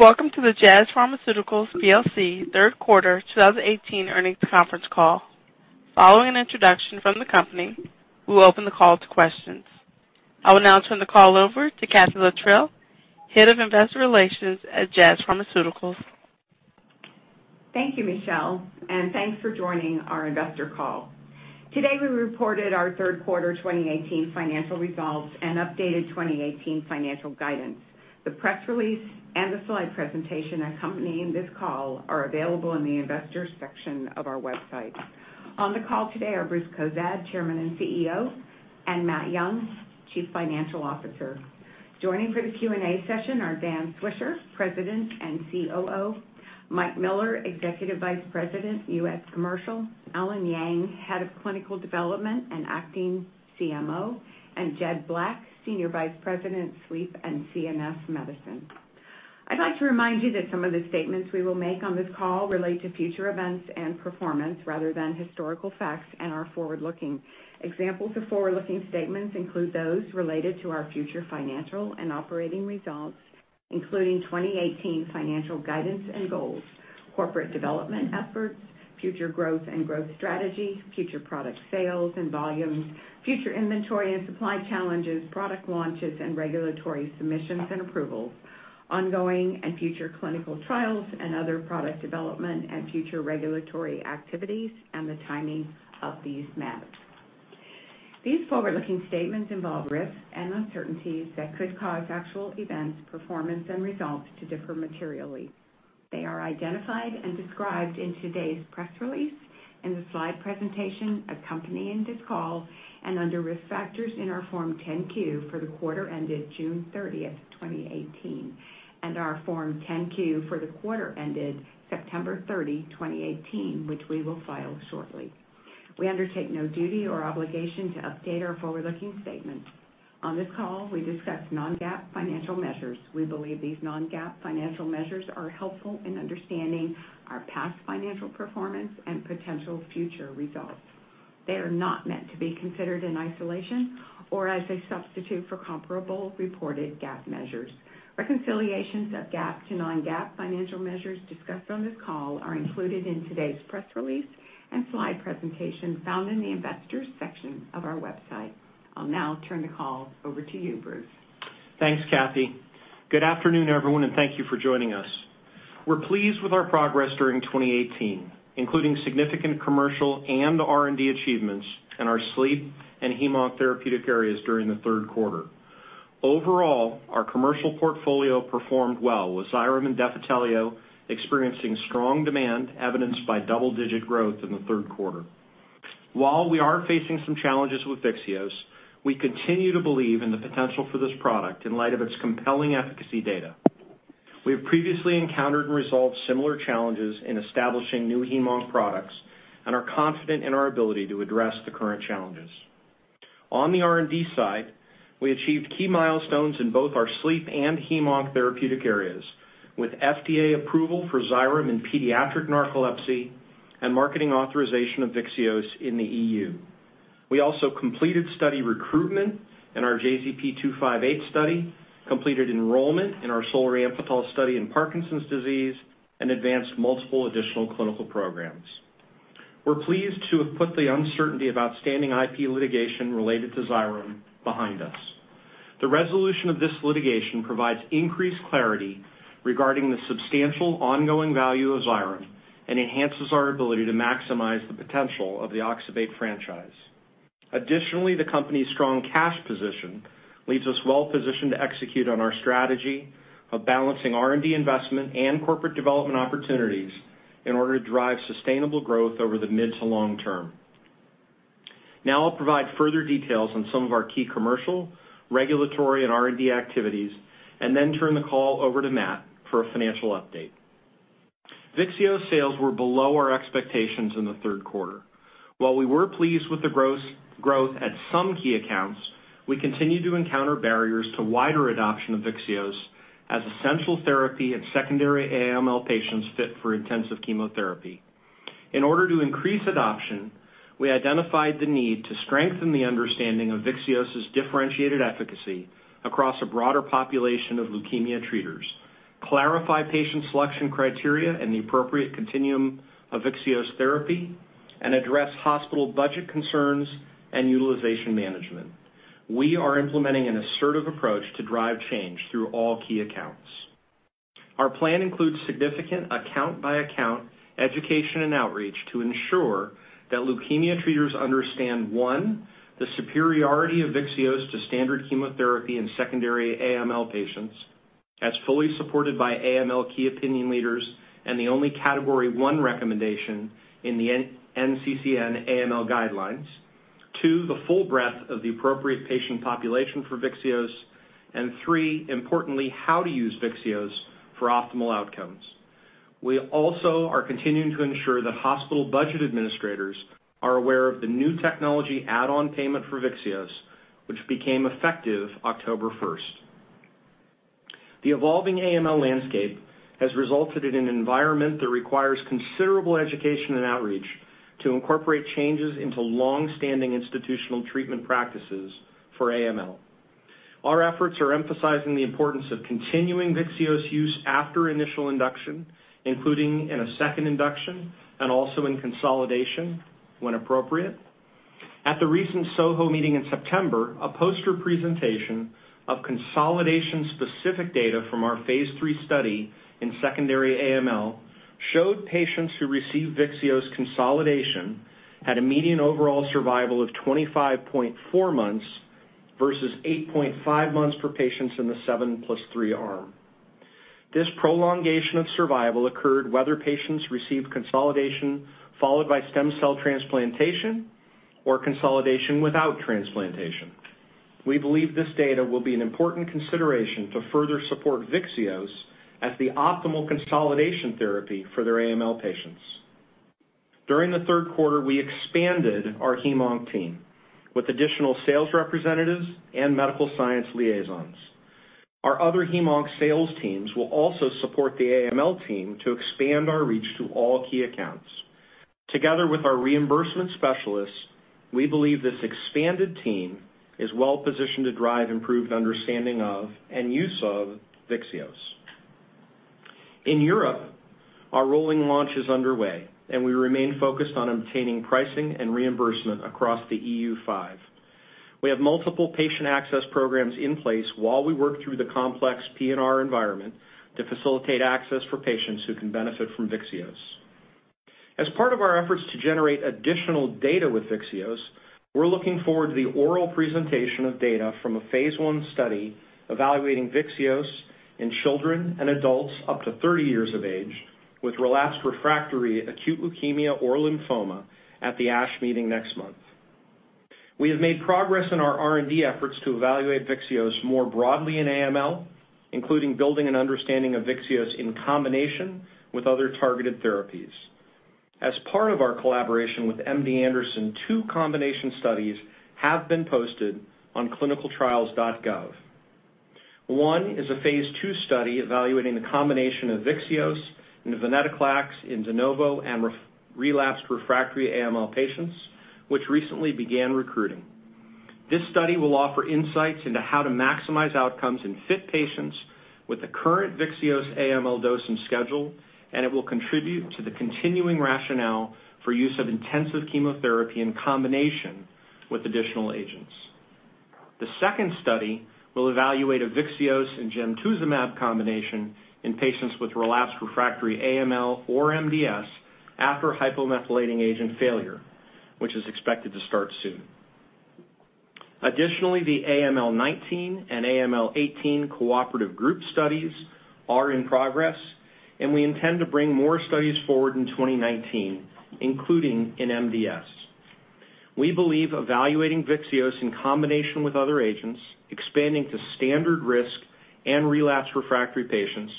Welcome to the Jazz Pharmaceuticals plc Q3 2018 earnings conference call. Following an introduction from the company, we will open the call to questions. I will now turn the call over to Kathy Littrell, Head of Investor Relations at Jazz Pharmaceuticals. Thank you, Michelle, and thanks for joining our investor call. Today, we reported our Q3 2018 financial results and updated 2018 financial guidance. The press release and the slide presentation accompanying this call are available in the Investors section of our website. On the call today are Bruce Cozadd, Chairman and CEO, and Matt Young, Chief Financial Officer. Joining for the Q&A session are Dan Swisher, President and COO, Mike Miller, Executive Vice President, U.S. Commercial, Allen Yang, Head of Clinical Development and Acting CMO, and Jed Black, Senior Vice President, Sleep and CNS Medicine. I'd like to remind you that some of the statements we will make on this call relate to future events and performance rather than historical facts and are forward-looking. Examples of forward-looking statements include those related to our future financial and operating results, including 2018 financial guidance and goals, corporate development efforts, future growth and growth strategy, future product sales and volumes, future inventory and supply challenges, product launches and regulatory submissions and approvals, ongoing and future clinical trials and other product development and future regulatory activities, and the timing of these matters. These forward-looking statements involve risks and uncertainties that could cause actual events, performance and results to differ materially. They are identified and described in today's press release and the slide presentation accompanying this call and under Risk Factors in our Form 10-Q for the quarter ended June 30, 2018, and our Form 10-Q for the quarter ended September 30, 2018, which we will file shortly. We undertake no duty or obligation to update our forward-looking statements. On this call, we discuss non-GAAP financial measures. We believe these non-GAAP financial measures are helpful in understanding our past financial performance and potential future results. They are not meant to be considered in isolation or as a substitute for comparable reported GAAP measures. Reconciliations of GAAP to non-GAAP financial measures discussed on this call are included in today's press release and slide presentation found in the Investors section of our website. I'll now turn the call over to you, Bruce. Thanks, Kathy. Good afternoon, everyone, and thank you for joining us. We're pleased with our progress during 2018, including significant commercial and R&D achievements in our sleep and hem/onc therapeutic areas during the Q3. Overall, our commercial portfolio performed well, with Xyrem and Defitelio experiencing strong demand evidenced by double-digit growth in the Q3. While we are facing some challenges with Vyxeos, we continue to believe in the potential for this product in light of its compelling efficacy data. We have previously encountered and resolved similar challenges in establishing new hem/onc products and are confident in our ability to address the current challenges. On the R&D side, we achieved key milestones in both our sleep and hem/onc therapeutic areas with FDA approval for Xyrem in pediatric narcolepsy and marketing authorization of Vyxeos in the EU. We also completed study recruitment in our JZP-258 study, completed enrollment in our Solriamfetol study in Parkinson's disease, and advanced multiple additional clinical programs. We're pleased to have put the uncertainty of outstanding IP litigation related to Xyrem behind us. The resolution of this litigation provides increased clarity regarding the substantial ongoing value of Xyrem and enhances our ability to maximize the potential of the oxybate franchise. Additionally, the company's strong cash position leaves us well-positioned to execute on our strategy of balancing R&D investment and corporate development opportunities in order to drive sustainable growth over the mid to long term. Now I'll provide further details on some of our key commercial, regulatory, and R&D activities and then turn the call over to Matt for a financial update. Vyxeos sales were below our expectations in the Q3. While we were pleased with the growth at some key accounts, we continued to encounter barriers to wider adoption of Vyxeos as essential therapy in secondary AML patients fit for intensive chemotherapy. In order to increase adoption, we identified the need to strengthen the understanding of Vyxeos' differentiated efficacy across a broader population of leukemia treaters, clarify patient selection criteria and the appropriate continuum of Vyxeos therapy, and address hospital budget concerns and utilization management. We are implementing an assertive approach to drive change through all key accounts. Our plan includes significant account-by-account education and outreach to ensure that leukemia treaters understand, one, the superiority of Vyxeos to standard chemotherapy in secondary AML patients as fully supported by AML key opinion leaders and the only Category one recommendation in the NCCN AML guidelines. Two, the full breadth of the appropriate patient population for Vyxeos. Three, importantly, how to use Vyxeos for optimal outcomes. We also are continuing to ensure that hospital budget administrators are aware of the New Technology Add-on Payment for Vyxeos, which became effective October first. The evolving AML landscape has resulted in an environment that requires considerable education and outreach to incorporate changes into long-standing institutional treatment practices for AML. Our efforts are emphasizing the importance of continuing Vyxeos use after initial induction, including in a second induction and also in consolidation when appropriate. At the recent SOHO meeting in September, a poster presentation of consolidation-specific data from our phase 3 study in secondary AML showed patients who received Vyxeos consolidation had a median overall survival of 25.4 months versus 8.5 months for patients in the 7 + 3 arm. This prolongation of survival occurred whether patients received consolidation followed by stem cell transplantation or consolidation without transplantation. We believe this data will be an important consideration to further support Vyxeos as the optimal consolidation therapy for their AML patients. During the Q3, we expanded our hem/onc team with additional sales representatives and medical science liaisons. Our other hem/onc sales teams will also support the AML team to expand our reach to all key accounts. Together with our reimbursement specialists, we believe this expanded team is well-positioned to drive improved understanding of and use of Vyxeos. In Europe, our rolling launch is underway, and we remain focused on obtaining pricing and reimbursement across the EU5. We have multiple patient access programs in place while we work through the complex P&R environment to facilitate access for patients who can benefit from Vyxeos. As part of our efforts to generate additional data with Vyxeos, we're looking forward to the oral presentation of data from a phase 1 study evaluating Vyxeos in children and adults up to 30 years of age with relapsed refractory acute leukemia or lymphoma at the ASH meeting next month. We have made progress in our R&D efforts to evaluate Vyxeos more broadly in AML, including building an understanding of Vyxeos in combination with other targeted therapies. As part of our collaboration with MD Anderson, two combination studies have been posted on clinicaltrials.gov. One is a phase 2 study evaluating the combination of Vyxeos and Venetoclax in de novo and relapsed/refractory AML patients, which recently began recruiting. This study will offer insights into how to maximize outcomes in fit patients with the current Vyxeos AML dose and schedule, and it will contribute to the continuing rationale for use of intensive chemotherapy in combination with additional agents. The second study will evaluate a Vyxeos and Gemtuzumab combination in patients with relapsed refractory AML or MDS after hypomethylating agent failure, which is expected to start soon. Additionally, the AML 19 and AML 18 cooperative group studies are in progress, and we intend to bring more studies forward in 2019, including in MDS. We believe evaluating Vyxeos in combination with other agents, expanding to standard risk and relapsed refractory patients,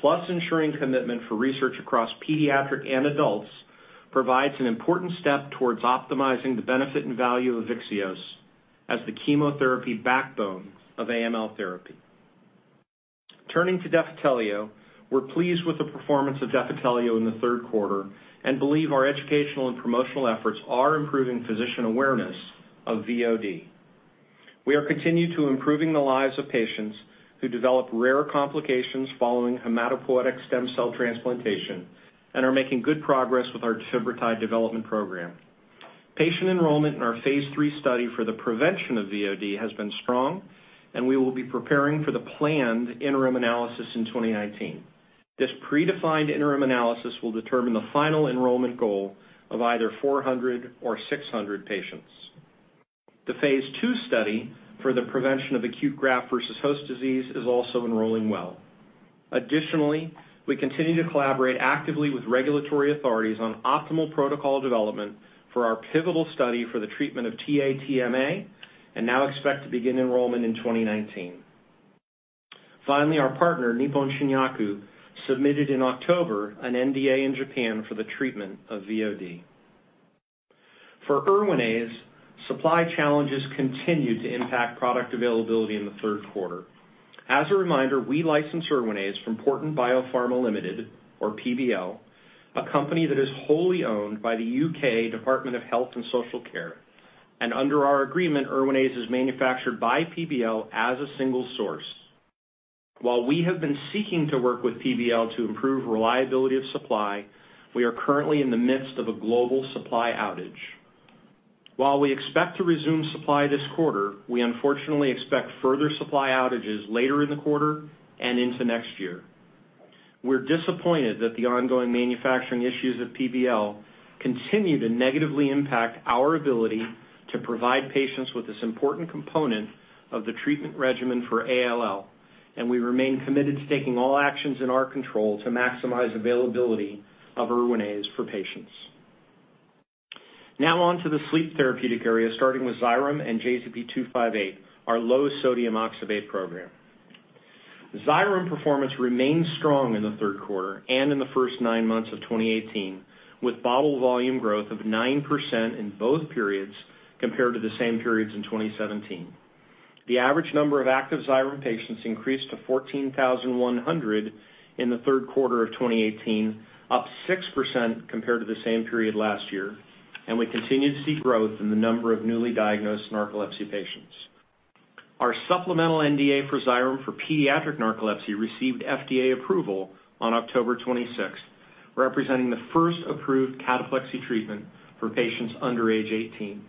plus ensuring commitment for research across pediatric and adults, provides an important step towards optimizing the benefit and value of Vyxeos as the chemotherapy backbone of AML therapy. Turning to Defitelio, we're pleased with the performance of Defitelio in the Q3 and believe our educational and promotional efforts are improving physician awareness of VOD. We are continuing to improve the lives of patients who develop rare complications following hematopoietic stem cell transplantation and are making good progress with our Defibrotide development program. Patient enrollment in our phase 3 study for the prevention of VOD has been strong, and we will be preparing for the planned interim analysis in 2019. This predefined interim analysis will determine the final enrollment goal of either 400 or 600 patients. The phase 2 study for the prevention of acute graft versus host disease is also enrolling well. Additionally, we continue to collaborate actively with regulatory authorities on optimal protocol development for our pivotal study for the treatment of TA-TMA and now expect to begin enrollment in 2019. Finally, our partner, Nippon Shinyaku, submitted in October an NDA in Japan for the treatment of VOD. For Erwinaze, supply challenges continued to impact product availability in the Q3. As a reminder, we license Erwinaze from Porton Biopharma Limited, or PBL, a company that is wholly owned by the UK Department of Health and Social Care. Under our agreement, Erwinaze is manufactured by PBL as a single source. While we have been seeking to work with PBL to improve reliability of supply, we are currently in the midst of a global supply outage. While we expect to resume supply this quarter, we unfortunately expect further supply outages later in the quarter and into next year. We're disappointed that the ongoing manufacturing issues at PBL continue to negatively impact our ability to provide patients with this important component of the treatment regimen for ALL, and we remain committed to taking all actions in our control to maximize availability of Erwinaze for patients. Now on to the sleep therapeutic area, starting with Xyrem and JZP-258, our low-sodium oxybate program. Xyrem performance remained strong in the Q3 and in the first nine months of 2018, with bottle volume growth of 9% in both periods compared to the same periods in 2017. The average number of active Xyrem patients increased to 14,100 in the Q3 of 2018, up 6% compared to the same period last year, and we continue to see growth in the number of newly diagnosed narcolepsy patients. Our supplemental NDA for Xyrem for pediatric narcolepsy received FDA approval on October twenty-sixth, representing the first approved cataplexy treatment for patients under age 18.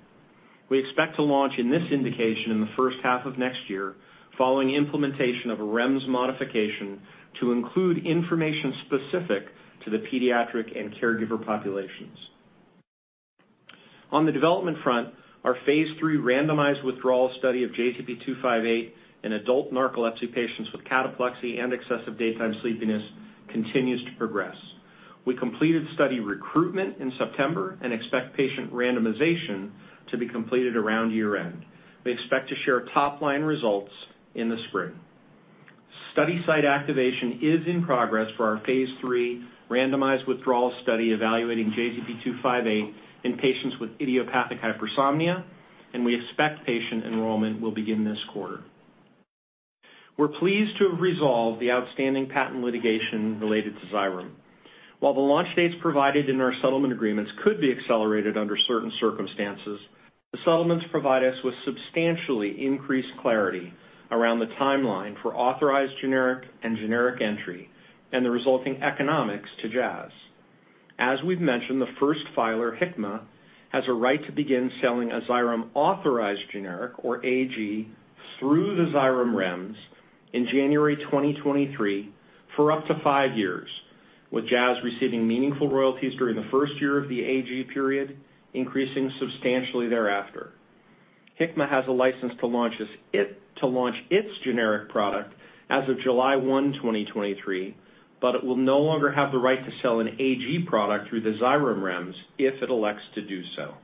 We expect to launch in this indication in the first half of next year, following implementation of a REMS modification to include information specific to the pediatric and caregiver populations. On the development front, our phase 3 randomized withdrawal study of JZP-258 in adult narcolepsy patients with cataplexy and excessive daytime sleepiness continues to progress. We completed study recruitment in September and expect patient randomization to be completed around year-end. We expect to share top-line results in the spring. Study site activation is in progress for our phase 3 randomized withdrawal study evaluating JZP-258 in patients with idiopathic hypersomnia, and we expect patient enrollment will begin this quarter. We're pleased to have resolved the outstanding patent litigation related to Xyrem. While the launch dates provided in our settlement agreements could be accelerated under certain circumstances, the settlements provide us with substantially increased clarity around the timeline for authorized generic and generic entry and the resulting economics to Jazz. As we've mentioned, the first filer, Hikma, has a right to begin selling a Xyrem authorized generic, or AG, through the Xyrem REMS in January 2023 for up to 5 years, with Jazz receiving meaningful royalties during the first year of the AG period, increasing substantially thereafter. Hikma has a license to launch its generic product as of July 1, 2023, but it will no longer have the right to sell an AG product through the Xyrem REMS if it elects to do so.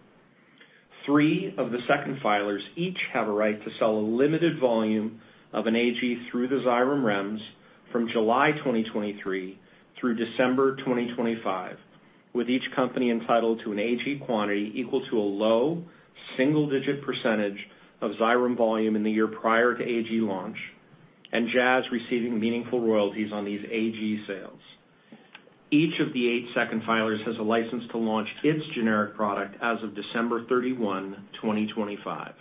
Three of the second filers each have a right to sell a limited volume of an AG through the Xyrem REMS from July 2023 through December 2025, with each company entitled to an AG quantity equal to a low single-digit percentage of Xyrem volume in the year prior to AG launch and Jazz receiving meaningful royalties on these AG sales. Each of the eight second filers has a license to launch its generic product as of December 31, 2025.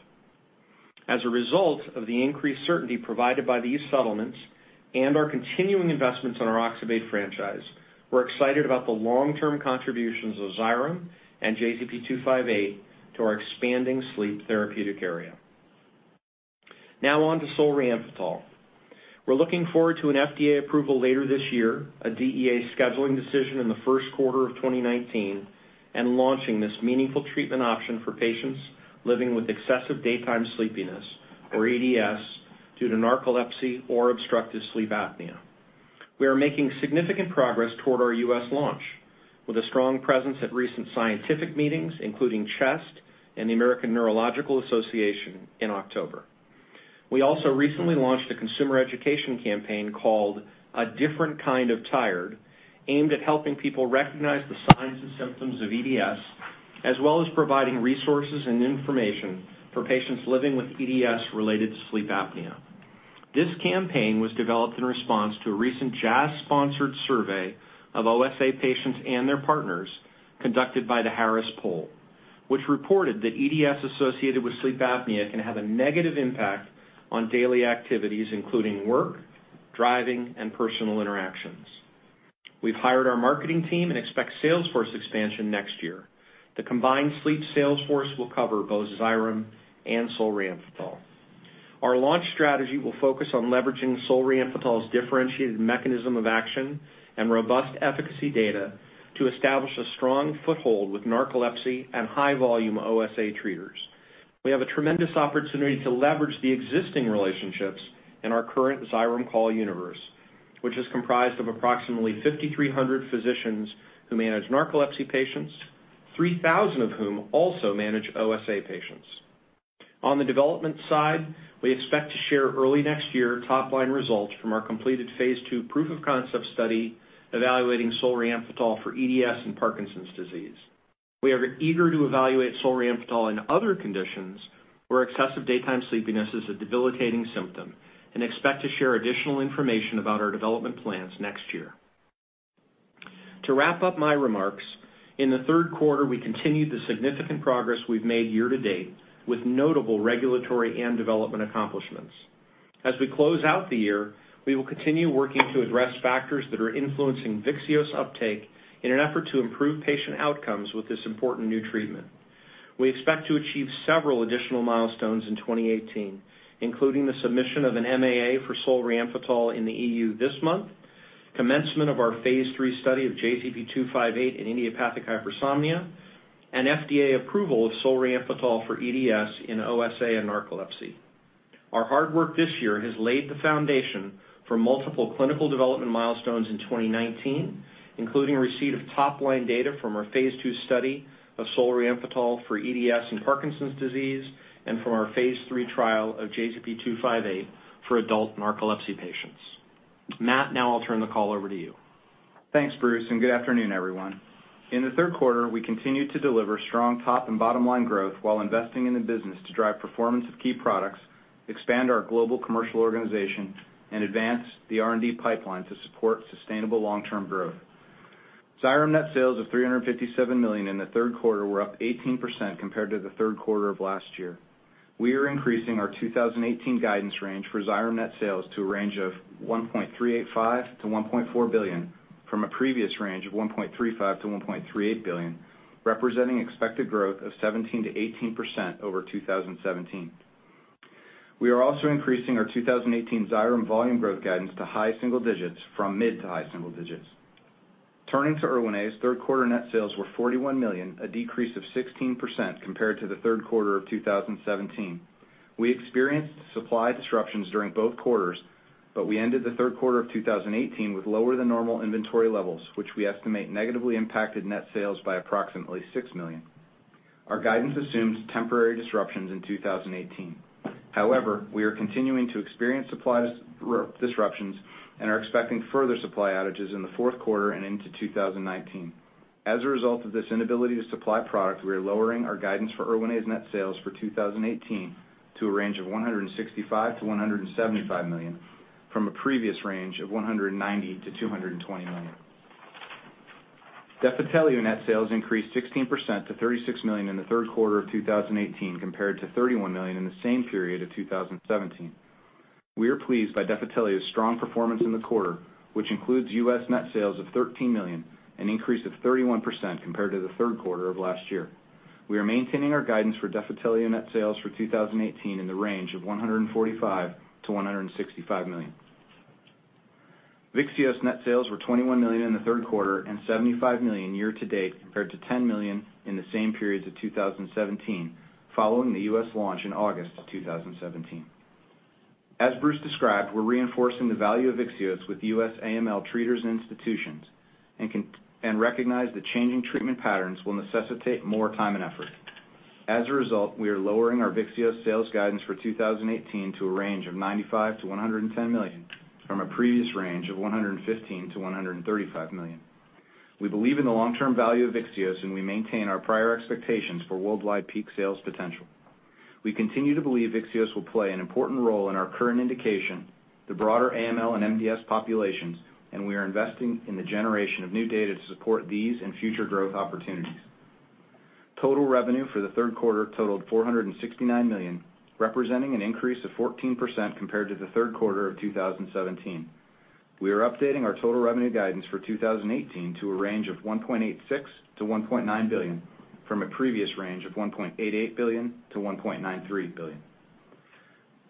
As a result of the increased certainty provided by these settlements and our continuing investments in our oxybate franchise, we're excited about the long-term contributions of Xyrem and JZP-258 to our expanding sleep therapeutic area. Now on to Solriamfetol. We're looking forward to an FDA approval later this year, a DEA scheduling decision in the Q1 of 2019, and launching this meaningful treatment option for patients living with excessive daytime sleepiness, or EDS, due to narcolepsy or obstructive sleep apnea. We are making significant progress toward our U.S. launch with a strong presence at recent scientific meetings, including CHEST and the American Neurological Association in October. We also recently launched a consumer education campaign called A Different Kind of Tired, aimed at helping people recognize the signs and symptoms of EDS, as well as providing resources and information for patients living with EDS related to sleep apnea. This campaign was developed in response to a recent Jazz-sponsored survey of OSA patients and their partners conducted by The Harris Poll, which reported that EDS associated with sleep apnea can have a negative impact on daily activities, including work, driving, and personal interactions. We've hired our marketing team and expect sales force expansion next year. The combined sleep sales force will cover both Xyrem and Solriamfetol. Our launch strategy will focus on leveraging Solriamfetol's differentiated mechanism of action and robust efficacy data to establish a strong foothold with narcolepsy and high-volume OSA treaters. We have a tremendous opportunity to leverage the existing relationships in our current Xyrem call universe, which is comprised of approximately 5,300 physicians who manage narcolepsy patients, 3,000 of whom also manage OSA patients. On the development side, we expect to share early next year top-line results from our completed phase 2 proof of concept study evaluating Solriamfetol for EDS and Parkinson's disease. We are eager to evaluate Solriamfetol in other conditions where excessive daytime sleepiness is a debilitating symptom and expect to share additional information about our development plans next year. To wrap up my remarks, in the Q3, we continued the significant progress we've made year to date with notable regulatory and development accomplishments. As we close out the year, we will continue working to address factors that are influencing Vyxeos uptake in an effort to improve patient outcomes with this important new treatment. We expect to achieve several additional milestones in 2018, including the submission of an MAA for Solriamfetol in the EU this month, commencement of our phase 3 study of JZP-258 in idiopathic hypersomnia, and FDA approval of Solriamfetol for EDS in OSA and narcolepsy. Our hard work this year has laid the foundation for multiple clinical development milestones in 2019, including receipt of top-line data from our phase 2 study of Solriamfetol for EDS in Parkinson's disease and from our phase 3 trial of JZP-258 for adult narcolepsy patients. Matt, now I'll turn the call over to you. Thanks, Bruce, and good afternoon, everyone. In the Q3, we continued to deliver strong top and bottom-line growth while investing in the business to drive performance of key products, expand our global commercial organization, and advance the R&D pipeline to support sustainable long-term growth. Xyrem net sales of $357 million in the Q3 were up 18% compared to the Q3 of last year. We are increasing our 2018 guidance range for Xyrem net sales to a range of $1.385-$1.4 billion, from a previous range of $1.35-$1.38 billion, representing expected growth of 17%-18% over 2017. We are also increasing our 2018 Xyrem volume growth guidance to high single digits from mid to high single digits. Turning to Erwinaze, Q3 net sales were $41 million, a decrease of 16% compared to the Q3 of 2017. We experienced supply disruptions during both quarters, but we ended the Q3 of 2018 with lower than normal inventory levels, which we estimate negatively impacted net sales by approximately $6 million. Our guidance assumes temporary disruptions in 2018. However, we are continuing to experience supply disruptions and are expecting further supply outages in the Q4 and into 2019. As a result of this inability to supply product, we are lowering our guidance for Erwinaze net sales for 2018 to a range of $165 million-$175 million from a previous range of $190 million-$220 million. Defitelio net sales increased 16% to $36 million in the Q3 of 2018 compared to $31 million in the same period of 2017. We are pleased by Defitelio's strong performance in the quarter, which includes U.S. net sales of $13 million, an increase of 31% compared to the Q3 of last year. We are maintaining our guidance for Defitelio net sales for 2018 in the range of $145 million-$165 million. Vyxeos net sales were $21 million in the Q3 and $75 million year to date, compared to $10 million in the same periods of 2017 following the U.S. launch in August 2017. As Bruce described, we're reinforcing the value of Vyxeos with U.S. AML treaters and institutions, and recognize that changing treatment patterns will necessitate more time and effort. As a result, we are lowering our Vyxeos sales guidance for 2018 to a range of $95 million-$110 million from a previous range of $115 million-$135 million. We believe in the long-term value of Vyxeos, and we maintain our prior expectations for worldwide peak sales potential. We continue to believe Vyxeos will play an important role in our current indication, the broader AML and MDS populations, and we are investing in the generation of new data to support these and future growth opportunities. Total revenue for the Q3 totaled $469 million, representing an increase of 14% compared to the Q3 of 2017. We are updating our total revenue guidance for 2018 to a range of $1.86 billion-$1.9 billion, from a previous range of $1.88 billion-$1.93 billion.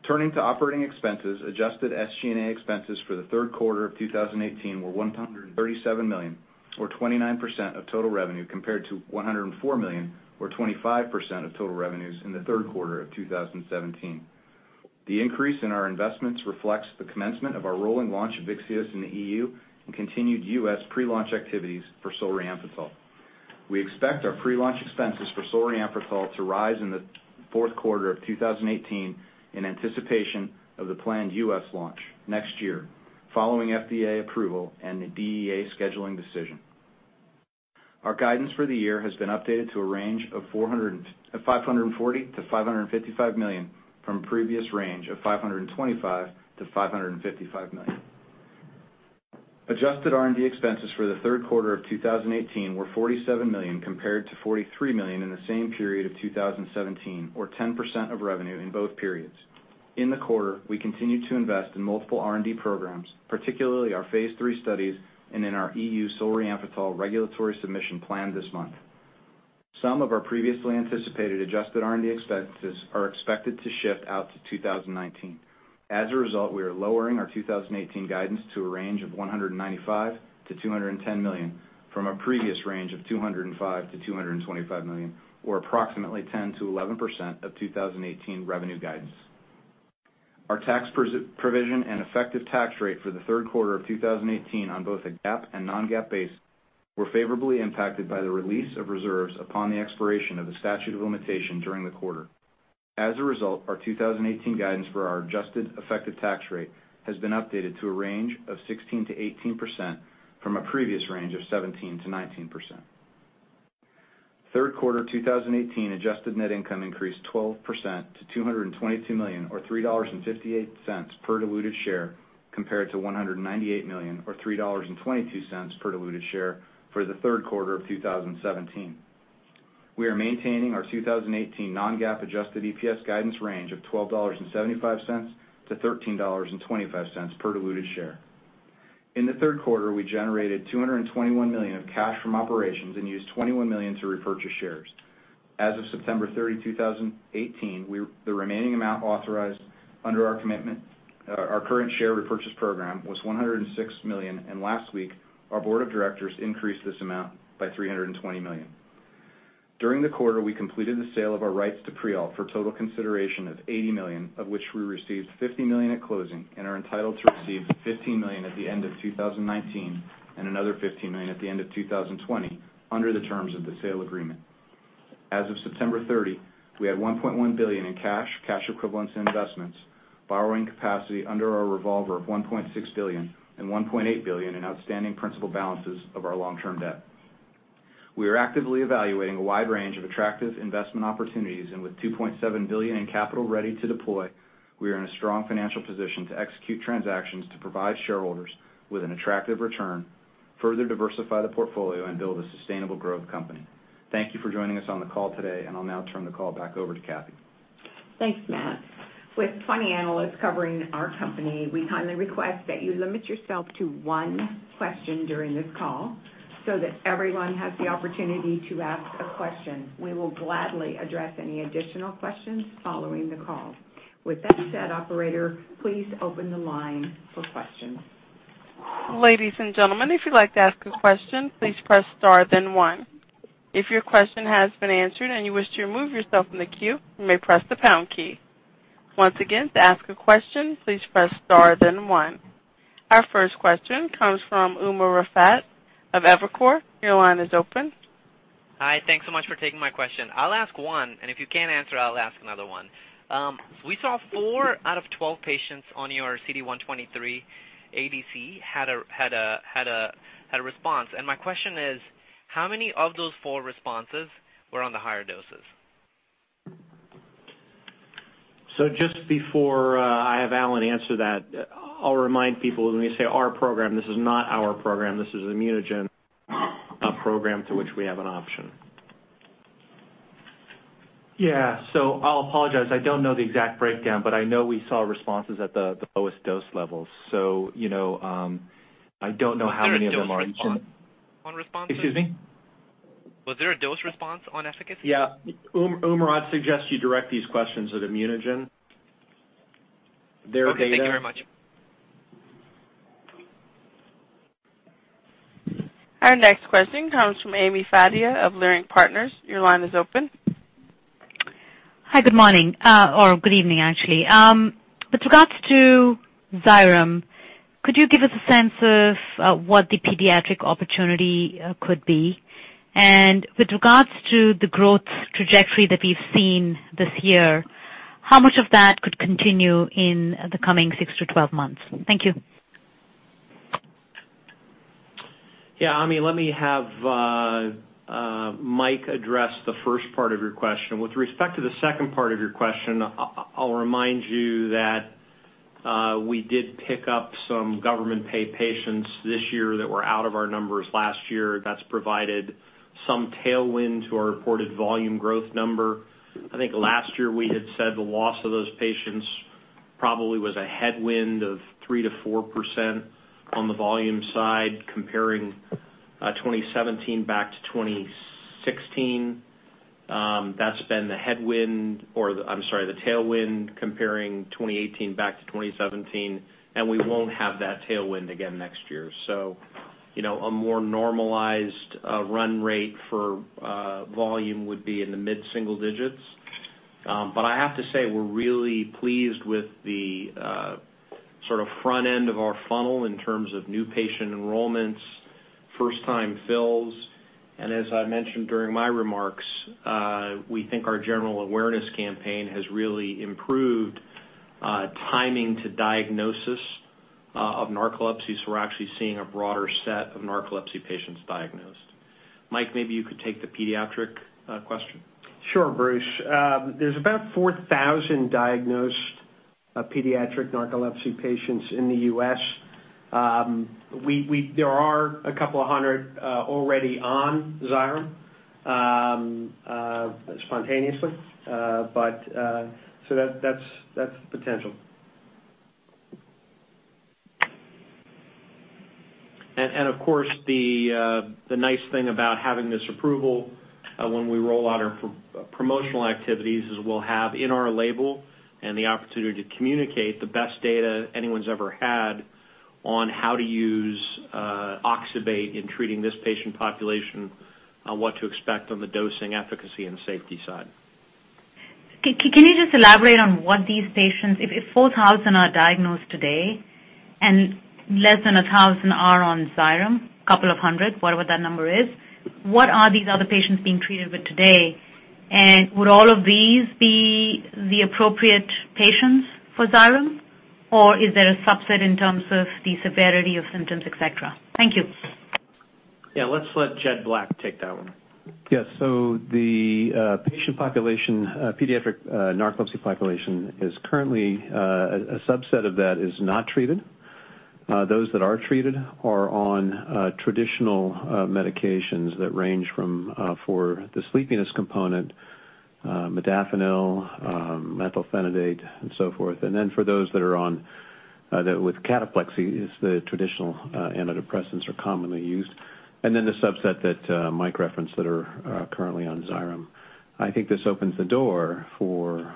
Turning to operating expenses, adjusted SG&A expenses for the Q3 of 2018 were $137 million or 29% of total revenue compared to $104 million or 25% of total revenues in the Q3 of 2017. The increase in our investments reflects the commencement of our rolling launch of Vyxeos in the EU and continued US pre-launch activities for Solriamfetol. We expect our pre-launch expenses for Solriamfetol to rise in the Q4 of 2018 in anticipation of the planned U.S. launch next year following FDA approval and the DEA scheduling decision. Our guidance for the year has been updated to a range of $540 million-$555 million from a previous range of $525 million-$555 million. Adjusted R&D expenses for the Q3 of 2018 were $47 million compared to $43 million in the same period of 2017, or 10% of revenue in both periods. In the quarter, we continued to invest in multiple R&D programs, particularly our phase 3 studies and in our EU Solriamfetol regulatory submission planned this month. Some of our previously anticipated adjusted R&D expenses are expected to shift out to 2019. As a result, we are lowering our 2018 guidance to a range of $195 million-$210 million from a previous range of $205 million-$225 million, or approximately 10%-11% of 2018 revenue guidance. Our tax provision and effective tax rate for the Q3 of 2018 on both a GAAP and non-GAAP basis were favorably impacted by the release of reserves upon the expiration of the statute of limitation during the quarter. As a result, our 2018 guidance for our adjusted effective tax rate has been updated to a range of 16%-18% from a previous range of 17%-19%. Q3 2018 adjusted net income increased 12% to $222 million or $3.58 per diluted share compared to $198 million or $3.22 per diluted share for the Q3 of 2017. We are maintaining our 2018 non-GAAP adjusted EPS guidance range of $12.75-$13.25 per diluted share. In the Q3, we generated $221 million of cash from operations and used $21 million to repurchase shares. As of September 30, 2018, the remaining amount authorized under our current share repurchase program was $106 million, and last week our board of directors increased this amount by $320 million. During the quarter, we completed the sale of our rights to Prialt for total consideration of $80 million, of which we received $50 million at closing and are entitled to receive $15 million at the end of 2019 and another $15 million at the end of 2020 under the terms of the sale agreement. As of September 30, we had $1.1 billion in cash equivalents, and investments, borrowing capacity under our revolver of $1.6 billion and $1.8 billion in outstanding principal balances of our long-term debt. We are actively evaluating a wide range of attractive investment opportunities, and with $2.7 billion in capital ready to deploy, we are in a strong financial position to execute transactions to provide shareholders with an attractive return, further diversify the portfolio and build a sustainable growth company. Thank you for joining us on the call today, and I'll now turn the call back over to Kathy. Thanks, Matt. With 20 analysts covering our company, we kindly request that you limit yourself to one question during this call so that everyone has the opportunity to ask a question. We will gladly address any additional questions following the call. With that said, operator, please open the line for questions. Ladies and gentlemen, if you'd like to ask a question, please press star then one. If your question has been answered and you wish to remove yourself from the queue, you may press the pound key. Once again, to ask a question, please press star then one. Our first question comes from Umer Raffat of Evercore. Your line is open. Hi. Thanks so much for taking my question. I'll ask one, and if you can't answer, I'll ask another one. We saw 4 out of 12 patients on your CD123 ADC had a response. My question is, how many of those 4 responses were on the higher doses? Just before I have Allen answer that, I'll remind people when we say our program, this is not our program. This is ImmunoGen, a program to which we have an option. Yeah. I'll apologize, I don't know the exact breakdown, but I know we saw responses at the lowest dose levels. You know, I don't know how many of them are in- Was there a dose response on efficacy? Excuse me. Was there a dose response on efficacy? Yeah. Umer, I'd suggest you direct these questions at ImmunoGen. Their data. Okay, thank you very much. Our next question comes from Ami Fadia of Leerink Partners. Your line is open. Hi. Good morning, or good evening, actually. With regards to Xyrem, could you give us a sense of what the pediatric opportunity could be? With regards to the growth trajectory that we've seen this year, how much of that could continue in the coming 6 to 12 months? Thank you. Yeah, Ami, let me have Mike address the first part of your question. With respect to the second part of your question, I'll remind you that we did pick up some government paid patients this year that were out of our numbers last year. That's provided some tailwind to our reported volume growth number. I think last year we had said the loss of those patients probably was a headwind of 3%-4% on the volume side, comparing 2017 back to 2016. That's been the headwind or I'm sorry, the tailwind comparing 2018 back to 2017, and we won't have that tailwind again next year. You know, a more normalized run rate for volume would be in the mid-single digits%. I have to say, we're really pleased with the sort of front end of our funnel in terms of new patient enrollments, first-time fills. As I mentioned during my remarks, we think our general awareness campaign has really improved timing to diagnosis of narcolepsy, so we're actually seeing a broader set of narcolepsy patients diagnosed. Mike, maybe you could take the pediatric question. Sure, Bruce. There's about 4,000 diagnosed pediatric narcolepsy patients in the U.S. There are a couple hundred already on Xyrem spontaneously. That's potential. Of course, the nice thing about having this approval, when we roll out our promotional activities is we'll have in our label and the opportunity to communicate the best data anyone's ever had on how to use oxybate in treating this patient population on what to expect on the dosing efficacy and safety side. Can you just elaborate on what these patients. If 4,000 are diagnosed today and less than 1,000 are on Xyrem, a couple of hundred, whatever that number is, what are these other patients being treated with today? And would all of these be the appropriate patients for Xyrem, or is there a subset in terms of the severity of symptoms, et cetera? Thank you. Yeah. Let's let Jed Black take that one. Yes. The patient population, pediatric narcolepsy population is currently a subset of that is not treated. Those that are treated are on traditional medications that range from for the sleepiness component, modafinil, methylphenidate and so forth. For those that are on that with cataplexy, the traditional antidepressants are commonly used. The subset that Mike referenced that are currently on Xyrem. I think this opens the door for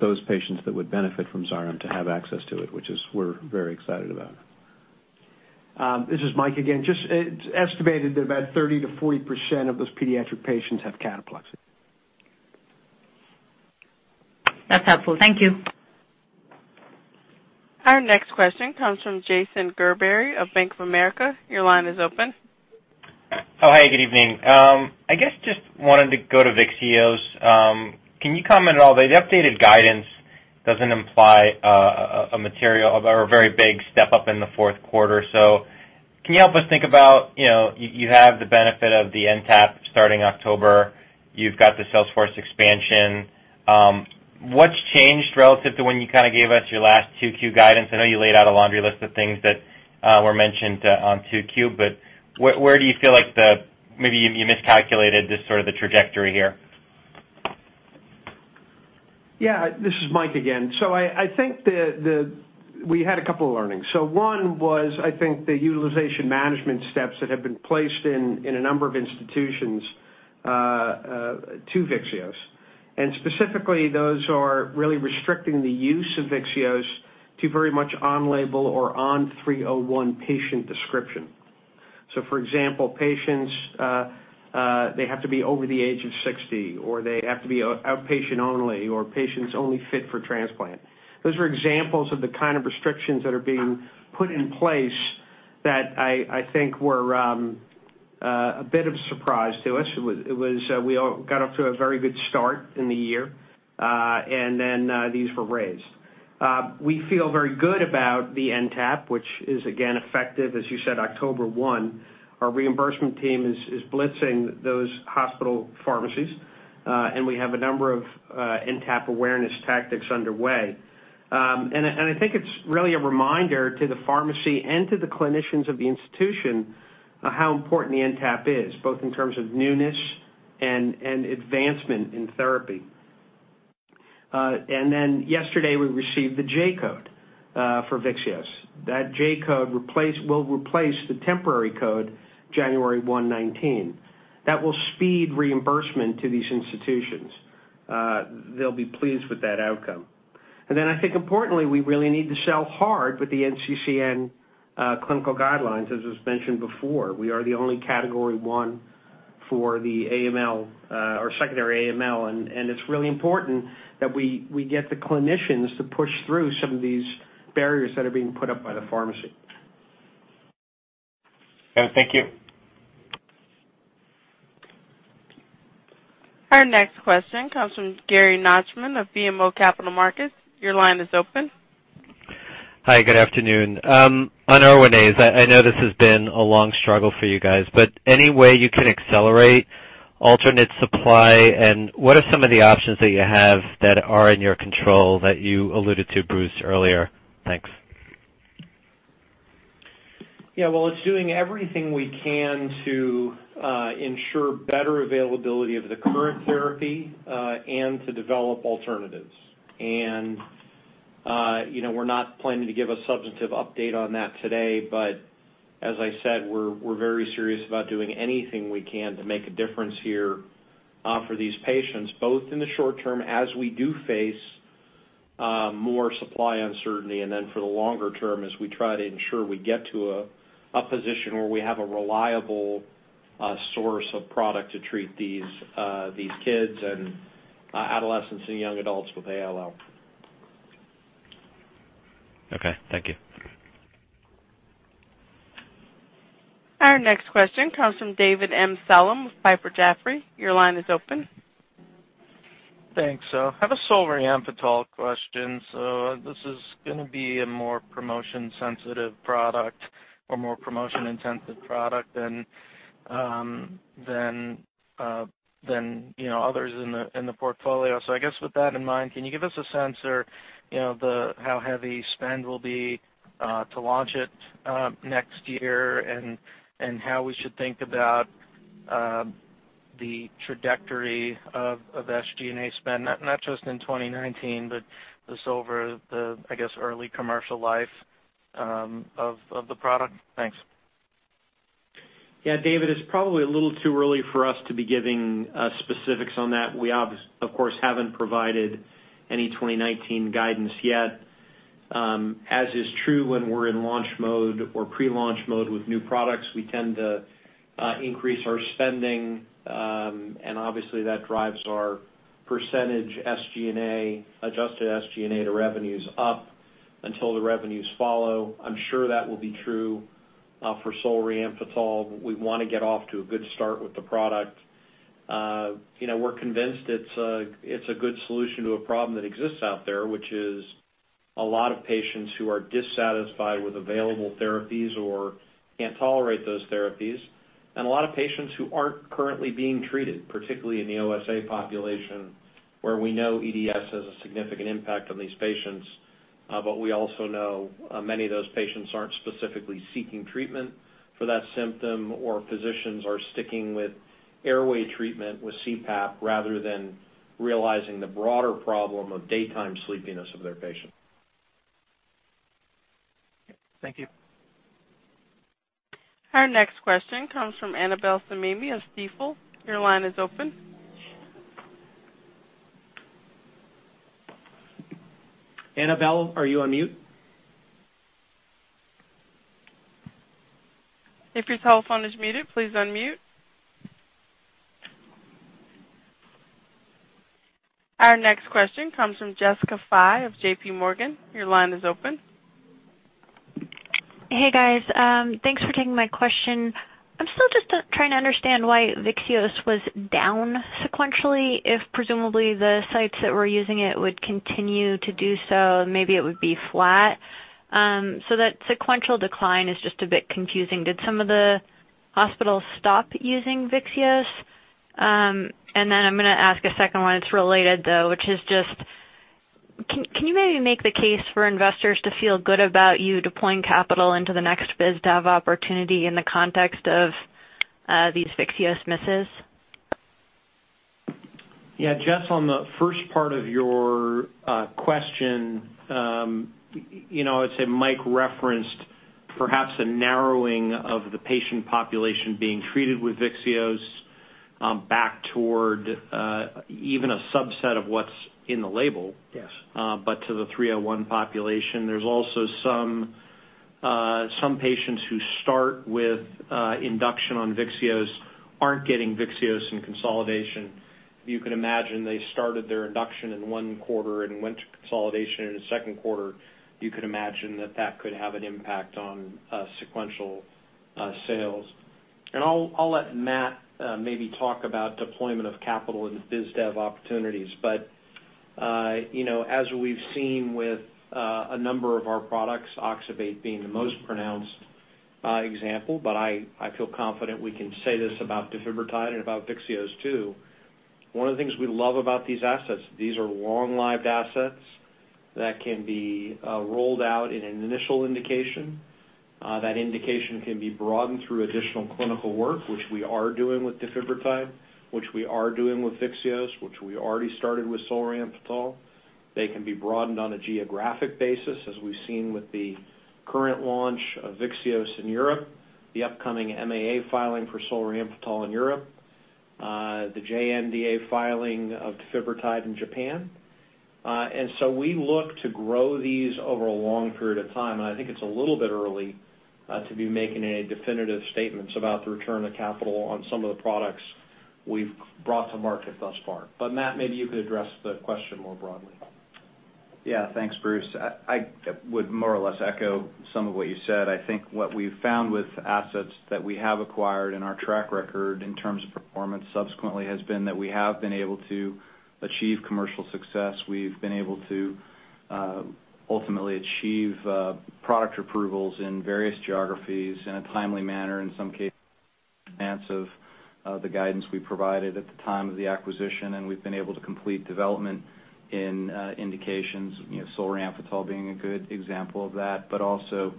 those patients that would benefit from Xyrem to have access to it, which we're very excited about. This is Mike again. It's estimated that about 30%-40% of those pediatric patients have cataplexy. That's helpful. Thank you. Our next question comes from Jason Gerberry of Bank of America. Your line is open. Oh, hey, good evening. I guess just wanted to go to Vyxeos. Can you comment at all? The updated guidance doesn't imply a material or a very big step-up in the Q4. Can you help us think about, you know, you have the benefit of the NTAP starting October. You've got the sales force expansion. What's changed relative to when you kinda gave us your last 2Q guidance? I know you laid out a laundry list of things that were mentioned on 2Q, but where do you feel like the maybe you miscalculated this sort of the trajectory here? Yeah, this is Mike again. I think we had a couple of learnings. One was, I think, the utilization management steps that have been placed in a number of institutions to Vyxeos. And specifically, those are really restricting the use of Vyxeos to very much on label or on 301 patient description. For example, patients they have to be over the age of 60 or they have to be outpatient only, or patients only fit for transplant. Those are examples of the kind of restrictions that are being put in place that I think were a bit of a surprise to us. It was we all got off to a very good start in the year, and then these were raised. We feel very good about the NTAP, which is again effective, as you said, October 1. Our reimbursement team is blitzing those hospital pharmacies, and we have a number of NTAP awareness tactics underway. I think it's really a reminder to the pharmacy and to the clinicians of the institution, how important the NTAP is, both in terms of newness and advancement in therapy. Yesterday, we received the J-code for Vyxeos. That J-code will replace the temporary code January 1, 2019. That will speed reimbursement to these institutions. They'll be pleased with that outcome. I think importantly, we really need to sell hard with the NCCN clinical guidelines, as was mentioned before. We are the only category one for the AML or secondary AML, and it's really important that we get the clinicians to push through some of these barriers that are being put up by the pharmacy. Okay, thank you. Our next question comes from Gary Nachman of BMO Capital Markets. Your line is open. Hi, good afternoon. On Erwinaze, I know this has been a long struggle for you guys, but any way you can accelerate alternate supply, and what are some of the options that you have that are in your control that you alluded to Bruce earlier? Thanks. Yeah. Well, it's doing everything we can to ensure better availability of the current therapy, and to develop alternatives. You know, we're not planning to give a substantive update on that today, but as I said, we're very serious about doing anything we can to make a difference here for these patients, both in the short term as we do face more supply uncertainty, and then for the longer term as we try to ensure we get to a position where we have a reliable source of product to treat these kids and adolescents and young adults with ALL. Okay. Thank you. Our next question comes from David Amsellem with Piper Jaffray. Your line is open. Thanks. I have a Solriamfetol question. This is gonna be a more promotion-sensitive product or more promotion-intensive product than, you know, others in the, in the portfolio. I guess with that in mind, can you give us a sense or, you know, the, how heavy spend will be, to launch it, next year, and how we should think about, the trajectory of SG&A spend, not just in 2019, but just over the, I guess, early commercial life, of the product? Thanks. Yeah, David, it's probably a little too early for us to be giving specifics on that. We of course haven't provided any 2019 guidance yet. As is true when we're in launch mode or pre-launch mode with new products, we tend to increase our spending, and obviously that drives our percentage SG&A, adjusted SG&A to revenues up until the revenues follow. I'm sure that will be true for Solriamfetol. We wanna get off to a good start with the product. You know, we're convinced it's a good solution to a problem that exists out there, which is a lot of patients who are dissatisfied with available therapies or can't tolerate those therapies, and a lot of patients who aren't currently being treated, particularly in the OSA population, where we know EDS has a significant impact on these patients. We also know many of those patients aren't specifically seeking treatment for that symptom or physicians are sticking with airway treatment with CPAP rather than realizing the broader problem of daytime sleepiness of their patient. Thank you. Our next question comes from Annabel Samimy of Stifel. Your line is open. Annabel, are you on mute? If your telephone is muted, please unmute. Our next question comes from Jessica Fye of J.P. Morgan. Your line is open. Hey, guys. Thanks for taking my question. I'm still just trying to understand why Vyxeos was down sequentially, if presumably the sites that were using it would continue to do so, maybe it would be flat. That sequential decline is just a bit confusing. Did some of the hospitals stop using Vyxeos? I'm gonna ask a second one. It's related, though, which is just can you maybe make the case for investors to feel good about you deploying capital into the next biz dev opportunity in the context of these Vyxeos misses? Yeah. Jess, on the first part of your question, you know, I'd say Mike referenced perhaps a narrowing of the patient population being treated with Vyxeos, back toward even a subset of what's in the label. Yes to the 301 population. There's also some patients who start with induction on Vyxeos aren't getting Vyxeos in consolidation. You could imagine they started their induction in one quarter and went to consolidation in the Q2. You could imagine that could have an impact on sequential sales. I'll let Matt maybe talk about deployment of capital in the biz dev opportunities. You know, as we've seen with a number of our products, Oxybate being the most pronounced example, but I feel confident we can say this about Defibrotide and about Vyxeos too. One of the things we love about these assets, these are long-lived assets that can be rolled out in an initial indication. That indication can be broadened through additional clinical work, which we are doing with Defibrotide, which we are doing with Vyxeos, which we already started with Solriamfetol. They can be broadened on a geographic basis, as we've seen with the current launch of Vyxeos in Europe, the upcoming MAA filing for Solriamfetol in Europe, the JNDA filing of Defibrotide in Japan. We look to grow these over a long period of time, and I think it's a little bit early to be making any definitive statements about the return of capital on some of the products we've brought to market thus far. Matt, maybe you could address the question more broadly. Yeah. Thanks, Bruce. I would more or less echo some of what you said. I think what we've found with assets that we have acquired in our track record in terms of performance subsequently has been that we have been able to achieve commercial success. We've been able to ultimately achieve product approvals in various geographies in a timely manner, in some cases in advance of the guidance we provided at the time of the acquisition, and we've been able to complete development in indications, you know, Solriamfetol being a good example of that. But also,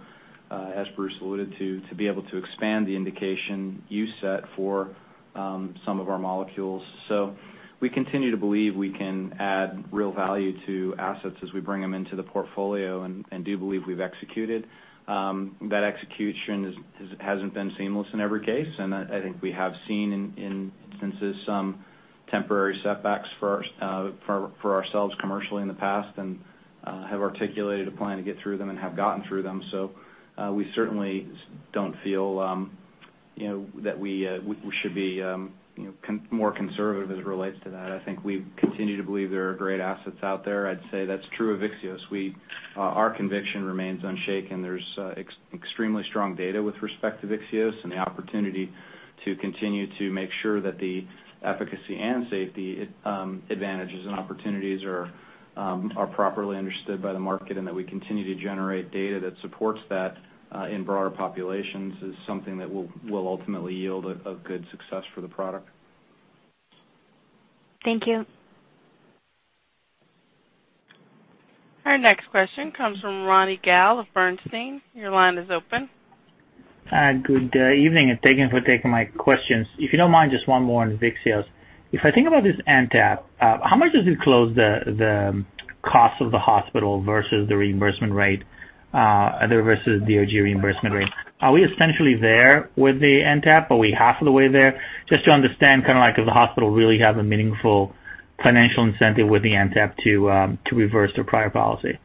as Bruce alluded to be able to expand the indication you set for some of our molecules. We continue to believe we can add real value to assets as we bring them into the portfolio and do believe we've executed. That execution hasn't been seamless in every case, and I think we have seen in instances some temporary setbacks for ourselves commercially in the past and have articulated a plan to get through them and have gotten through them. So, we certainly don't feel, you know, that we should be, you know, more conservative as it relates to that. I think we continue to believe there are great assets out there. I'd say that's true of Vyxeos. Our conviction remains unshaken. There's extremely strong data with respect to Vyxeos and the opportunity to continue to make sure that the efficacy and safety advantages and opportunities are properly understood by the market and that we continue to generate data that supports that in broader populations is something that will ultimately yield a good success for the product. Thank you. Our next question comes from Ronny Gal of Bernstein. Your line is open. Good evening, and thank you for taking my questions. If you don't mind, just one more on Vyxeos. If I think about this NTAP, how much does it close the cost of the hospital versus the reimbursement rate versus the OG reimbursement rate? Are we essentially there with the NTAP? Are we half of the way there? Just to understand, kinda like, does the hospital really have a meaningful financial incentive with the NTAP to reverse their prior policy.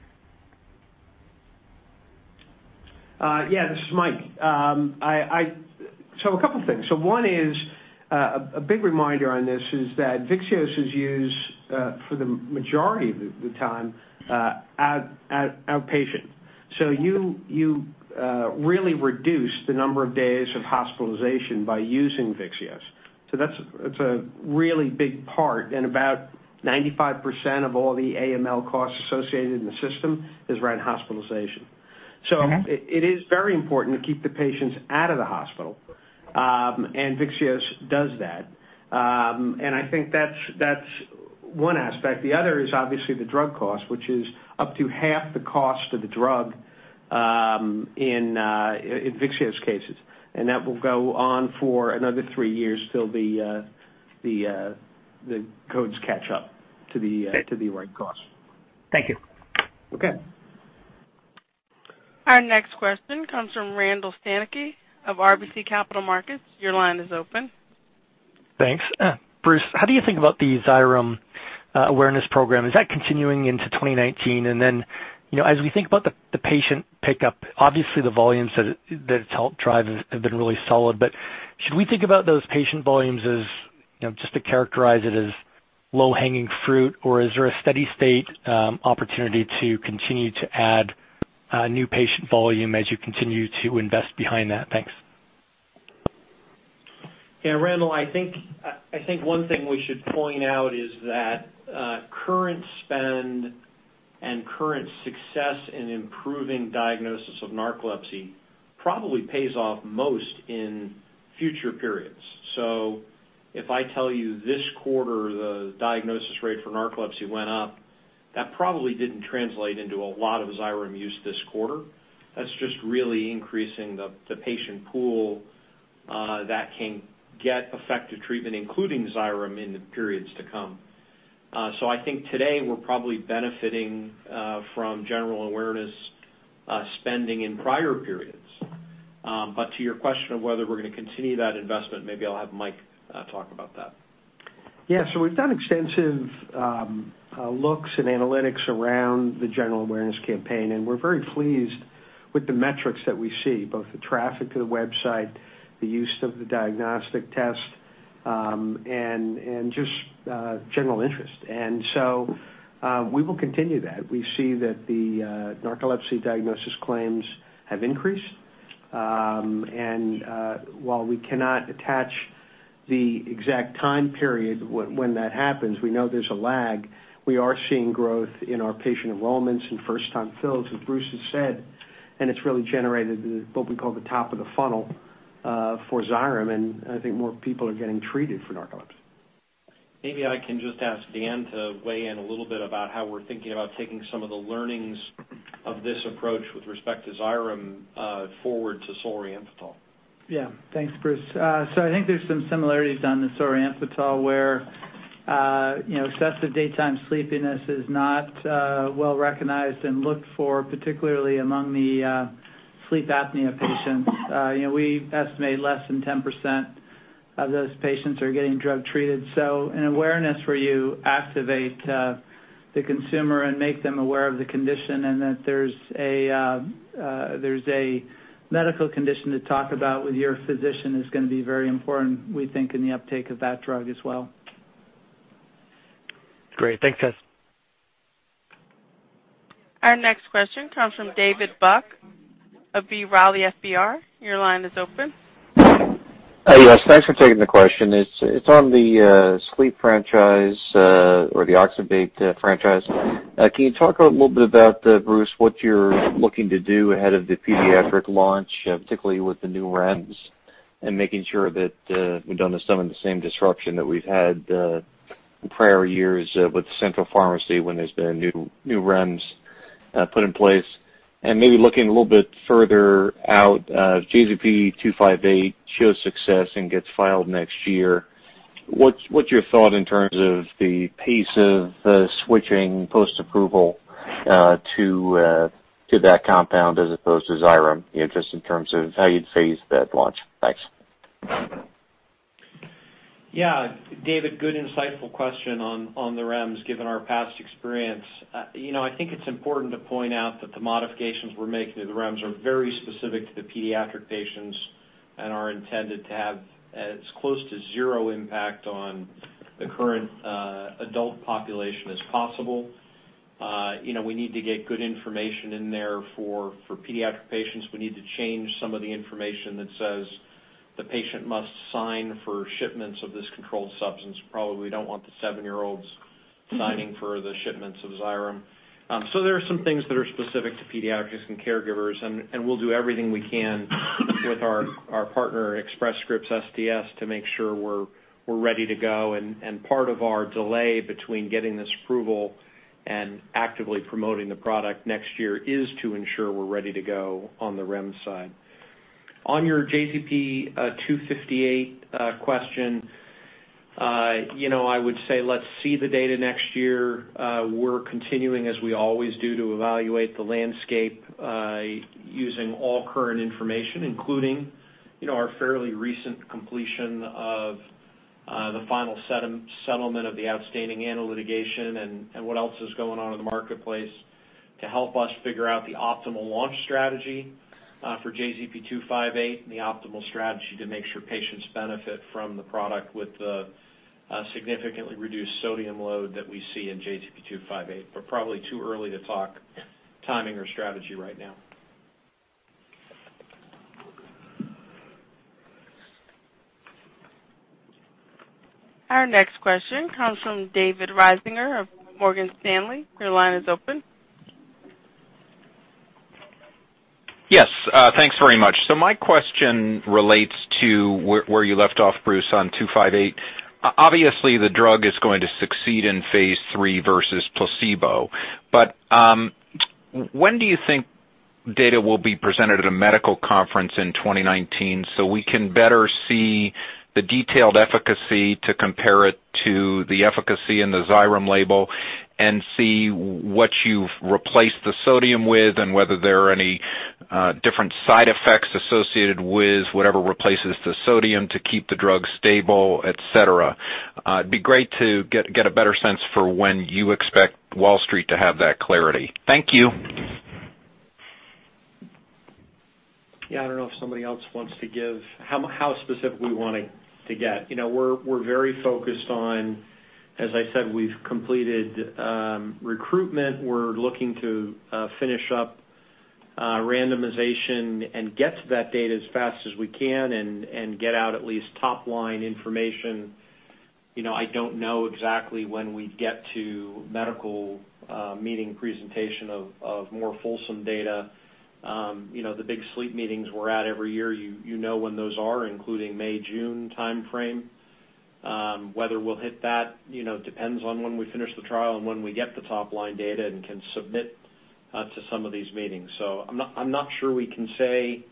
Yeah, this is Mike. A couple things. One is a big reminder on this is that Vyxeos is used for the majority of the time outpatient. You really reduce the number of days of hospitalization by using Vyxeos. That's a really big part, and about 95% of all the AML costs associated in the system is around hospitalization. Okay. It is very important to keep the patients out of the hospital, and Vyxeos does that. I think that's one aspect. The other is obviously the drug cost, which is up to half the cost of the drug in Vyxeos cases. That will go on for another 3 years till the codes catch up to the right cost. Thank you. Okay. Our next question comes from Randall Stanicky of RBC Capital Markets. Your line is open. Thanks. Bruce, how do you think about the Xyrem awareness program? Is that continuing into 2019? You know, as we think about the patient pickup, obviously the volumes that it's helped drive have been really solid. But should we think about those patient volumes as, you know, just to characterize it, as low-hanging fruit, or is there a steady state opportunity to continue to add new patient volume as you continue to invest behind that? Thanks. Yeah, Randall, I think one thing we should point out is that current spend and current success in improving diagnosis of narcolepsy probably pays off most in future periods. If I tell you this quarter the diagnosis rate for narcolepsy went up, that probably didn't translate into a lot of Xyrem use this quarter. That's just really increasing the patient pool that can get effective treatment, including Xyrem, in the periods to come. I think today we're probably benefiting from general awareness spending in prior periods. But to your question of whether we're gonna continue that investment, maybe I'll have Mike talk about that. Yeah. So we've done extensive looks and analytics around the general awareness campaign, and we're very pleased with the metrics that we see, both the traffic to the website, the use of the diagnostic test, and just general interest. We will continue that. We see that the narcolepsy diagnosis claims have increased. While we cannot attach the exact time period when that happens, we know there's a lag, we are seeing growth in our patient enrollments and first-time fills, as Bruce has said, and it's really generated the, what we call the top of the funnel, for Xyrem, and I think more people are getting treated for narcolepsy. Maybe I can just ask Dan to weigh in a little bit about how we're thinking about taking some of the learnings of this approach with respect to Xyrem forward to Solriamfetol. Yeah. Thanks, Bruce. I think there's some similarities done in Solriamfetol where you know, excessive daytime sleepiness is not well-recognized and looked for, particularly among the sleep apnea patients. You know, we estimate less than 10% of those patients are getting drug-treated. An awareness where you activate the consumer and make them aware of the condition and that there's a medical condition to talk about with your physician is gonna be very important, we think, in the uptake of that drug as well. Great. Thanks, guys. Our next question comes from David Buck of B. Riley FBR. Your line is open. Hi. Yes, thanks for taking the question. It's on the sleep franchise or the oxybate franchise. Can you talk a little bit about, Bruce, what you're looking to do ahead of the pediatric launch, particularly with the new REMS and making sure that we don't have some of the same disruption that we've had in prior years with central pharmacy when there's been new REMS put in place? Maybe looking a little bit further out, JZP-258 shows success and gets filed next year, what's your thought in terms of the pace of switching post-approval to that compound as opposed to Xyrem? You know, just in terms of how you'd phase that launch. Thanks. Yeah. David, good insightful question on the REMS given our past experience. You know, I think it's important to point out that the modifications we're making to the REMS are very specific to the pediatric patients and are intended to have as close to zero impact on the current adult population as possible. You know, we need to get good information in there for pediatric patients. We need to change some of the information that says the patient must sign for shipments of this controlled substance. Probably we don't want the seven-year-olds signing for the shipments of Xyrem. There are some things that are specific to pediatricians and caregivers, and we'll do everything we can with our partner, Express Scripts STS, to make sure we're ready to go. Part of our delay between getting this approval and actively promoting the product next year is to ensure we're ready to go on the REMS side. On your JZP-258 question, you know, I would say let's see the data next year. We're continuing, as we always do, to evaluate the landscape using all current information, including, you know, our fairly recent completion of the final settlement of the outstanding ANDA litigation and what else is going on in the marketplace to help us figure out the optimal launch strategy for JZP-258 and the optimal strategy to make sure patients benefit from the product with the significantly reduced sodium load that we see in JZP-258. But probably too early to talk timing or strategy right now. Our next question comes from David Risinger of Morgan Stanley. Your line is open. Yes. Thanks very much. My question relates to where you left off, Bruce, on JZP-258. Obviously, the drug is going to succeed in phase 3 versus placebo. When do you think data will be presented at a medical conference in 2019 so we can better see the detailed efficacy to compare it to the efficacy in the Xyrem label and see what you've replaced the sodium with and whether there are any different side effects associated with whatever replaces the sodium to keep the drug stable, et cetera? It'd be great to get a better sense for when you expect Wall Street to have that clarity. Thank you. Yeah. I don't know if somebody else wants to give how specific we wanna get. You know, we're very focused on. As I said, we've completed recruitment. We're looking to finish up randomization and get to that data as fast as we can and get out at least top-line information. You know, I don't know exactly when we'd get to medical meeting presentation of more fulsome data. You know, the big sleep meetings we're at every year, you know when those are, including May-June timeframe. Whether we'll hit that, you know, depends on when we finish the trial and when we get the top-line data and can submit to some of these meetings. I'm not sure we can say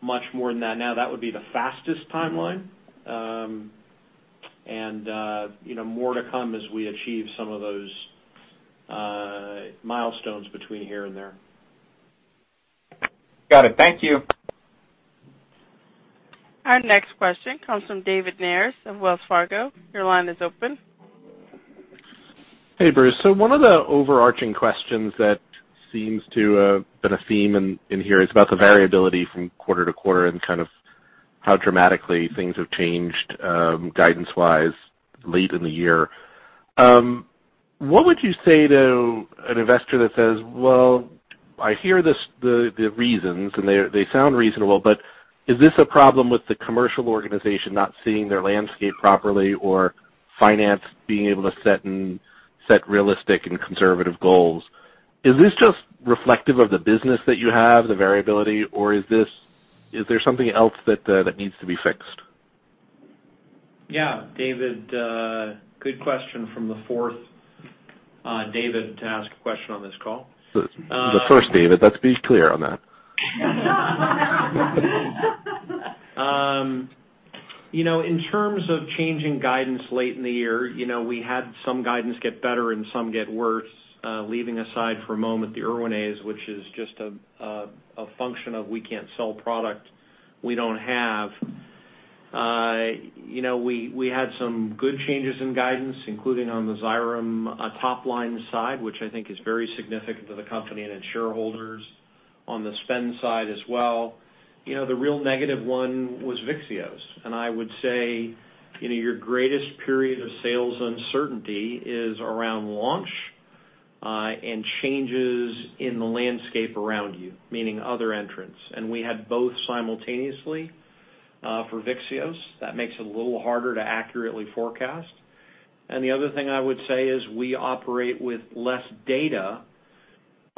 much more than that now. That would be the fastest timeline. You know, more to come as we achieve some of those milestones between here and there. Got it. Thank you. Our next question comes from David Maris of Wells Fargo. Your line is open. Hey, Bruce. One of the overarching questions that seems to have been a theme in here is about the variability from quarter to quarter and kind of how dramatically things have changed guidance-wise late in the year. What would you say to an investor that says, "Well, I hear this, the reasons, and they sound reasonable, but is this a problem with the commercial organization not seeing their landscape properly or finance being able to set realistic and conservative goals?" Is this just reflective of the business that you have, the variability, or is there something else that needs to be fixed? Yeah. David, good question from the fourth David to ask a question on this call. The first David. Let's be clear on that. You know, in terms of changing guidance late in the year, you know, we had some guidance get better and some get worse, leaving aside for a moment the Erwinaze, which is just a function of we can't sell product we don't have. You know, we had some good changes in guidance, including on the Xyrem, top-line side, which I think is very significant to the company and its shareholders on the spend side as well. You know, the real negative one was Vyxeos. I would say, you know, your greatest period of sales uncertainty is around launch, and changes in the landscape around you, meaning other entrants. We had both simultaneously, for Vyxeos. That makes it a little harder to accurately forecast. The other thing I would say is we operate with less data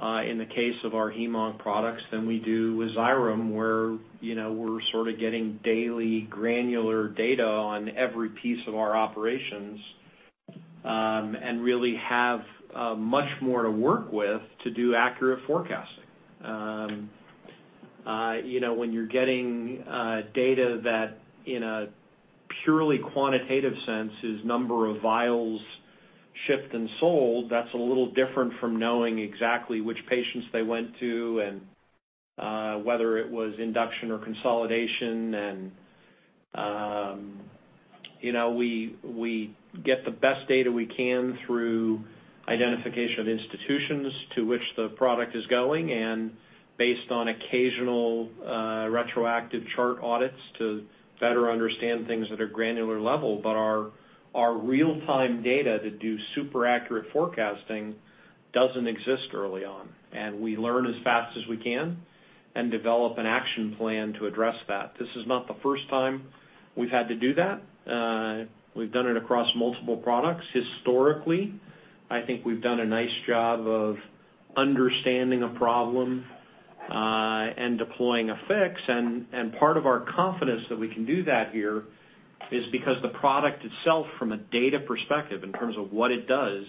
in the case of our hem/onc products than we do with Xyrem, where, you know, we're sorta getting daily granular data on every piece of our operations, and really have much more to work with to do accurate forecasting. You know, when you're getting data that in a purely quantitative sense is number of vials shipped and sold, that's a little different from knowing exactly which patients they went to and whether it was induction or consolidation. You know, we get the best data we can through identification of institutions to which the product is going and based on occasional retroactive chart audits to better understand things at a granular level. Our real-time data to do super accurate forecasting doesn't exist early on, and we learn as fast as we can and develop an action plan to address that. This is not the first time we've had to do that. We've done it across multiple products historically. I think we've done a nice job of understanding a problem and deploying a fix, and part of our confidence that we can do that here is because the product itself from a data perspective in terms of what it does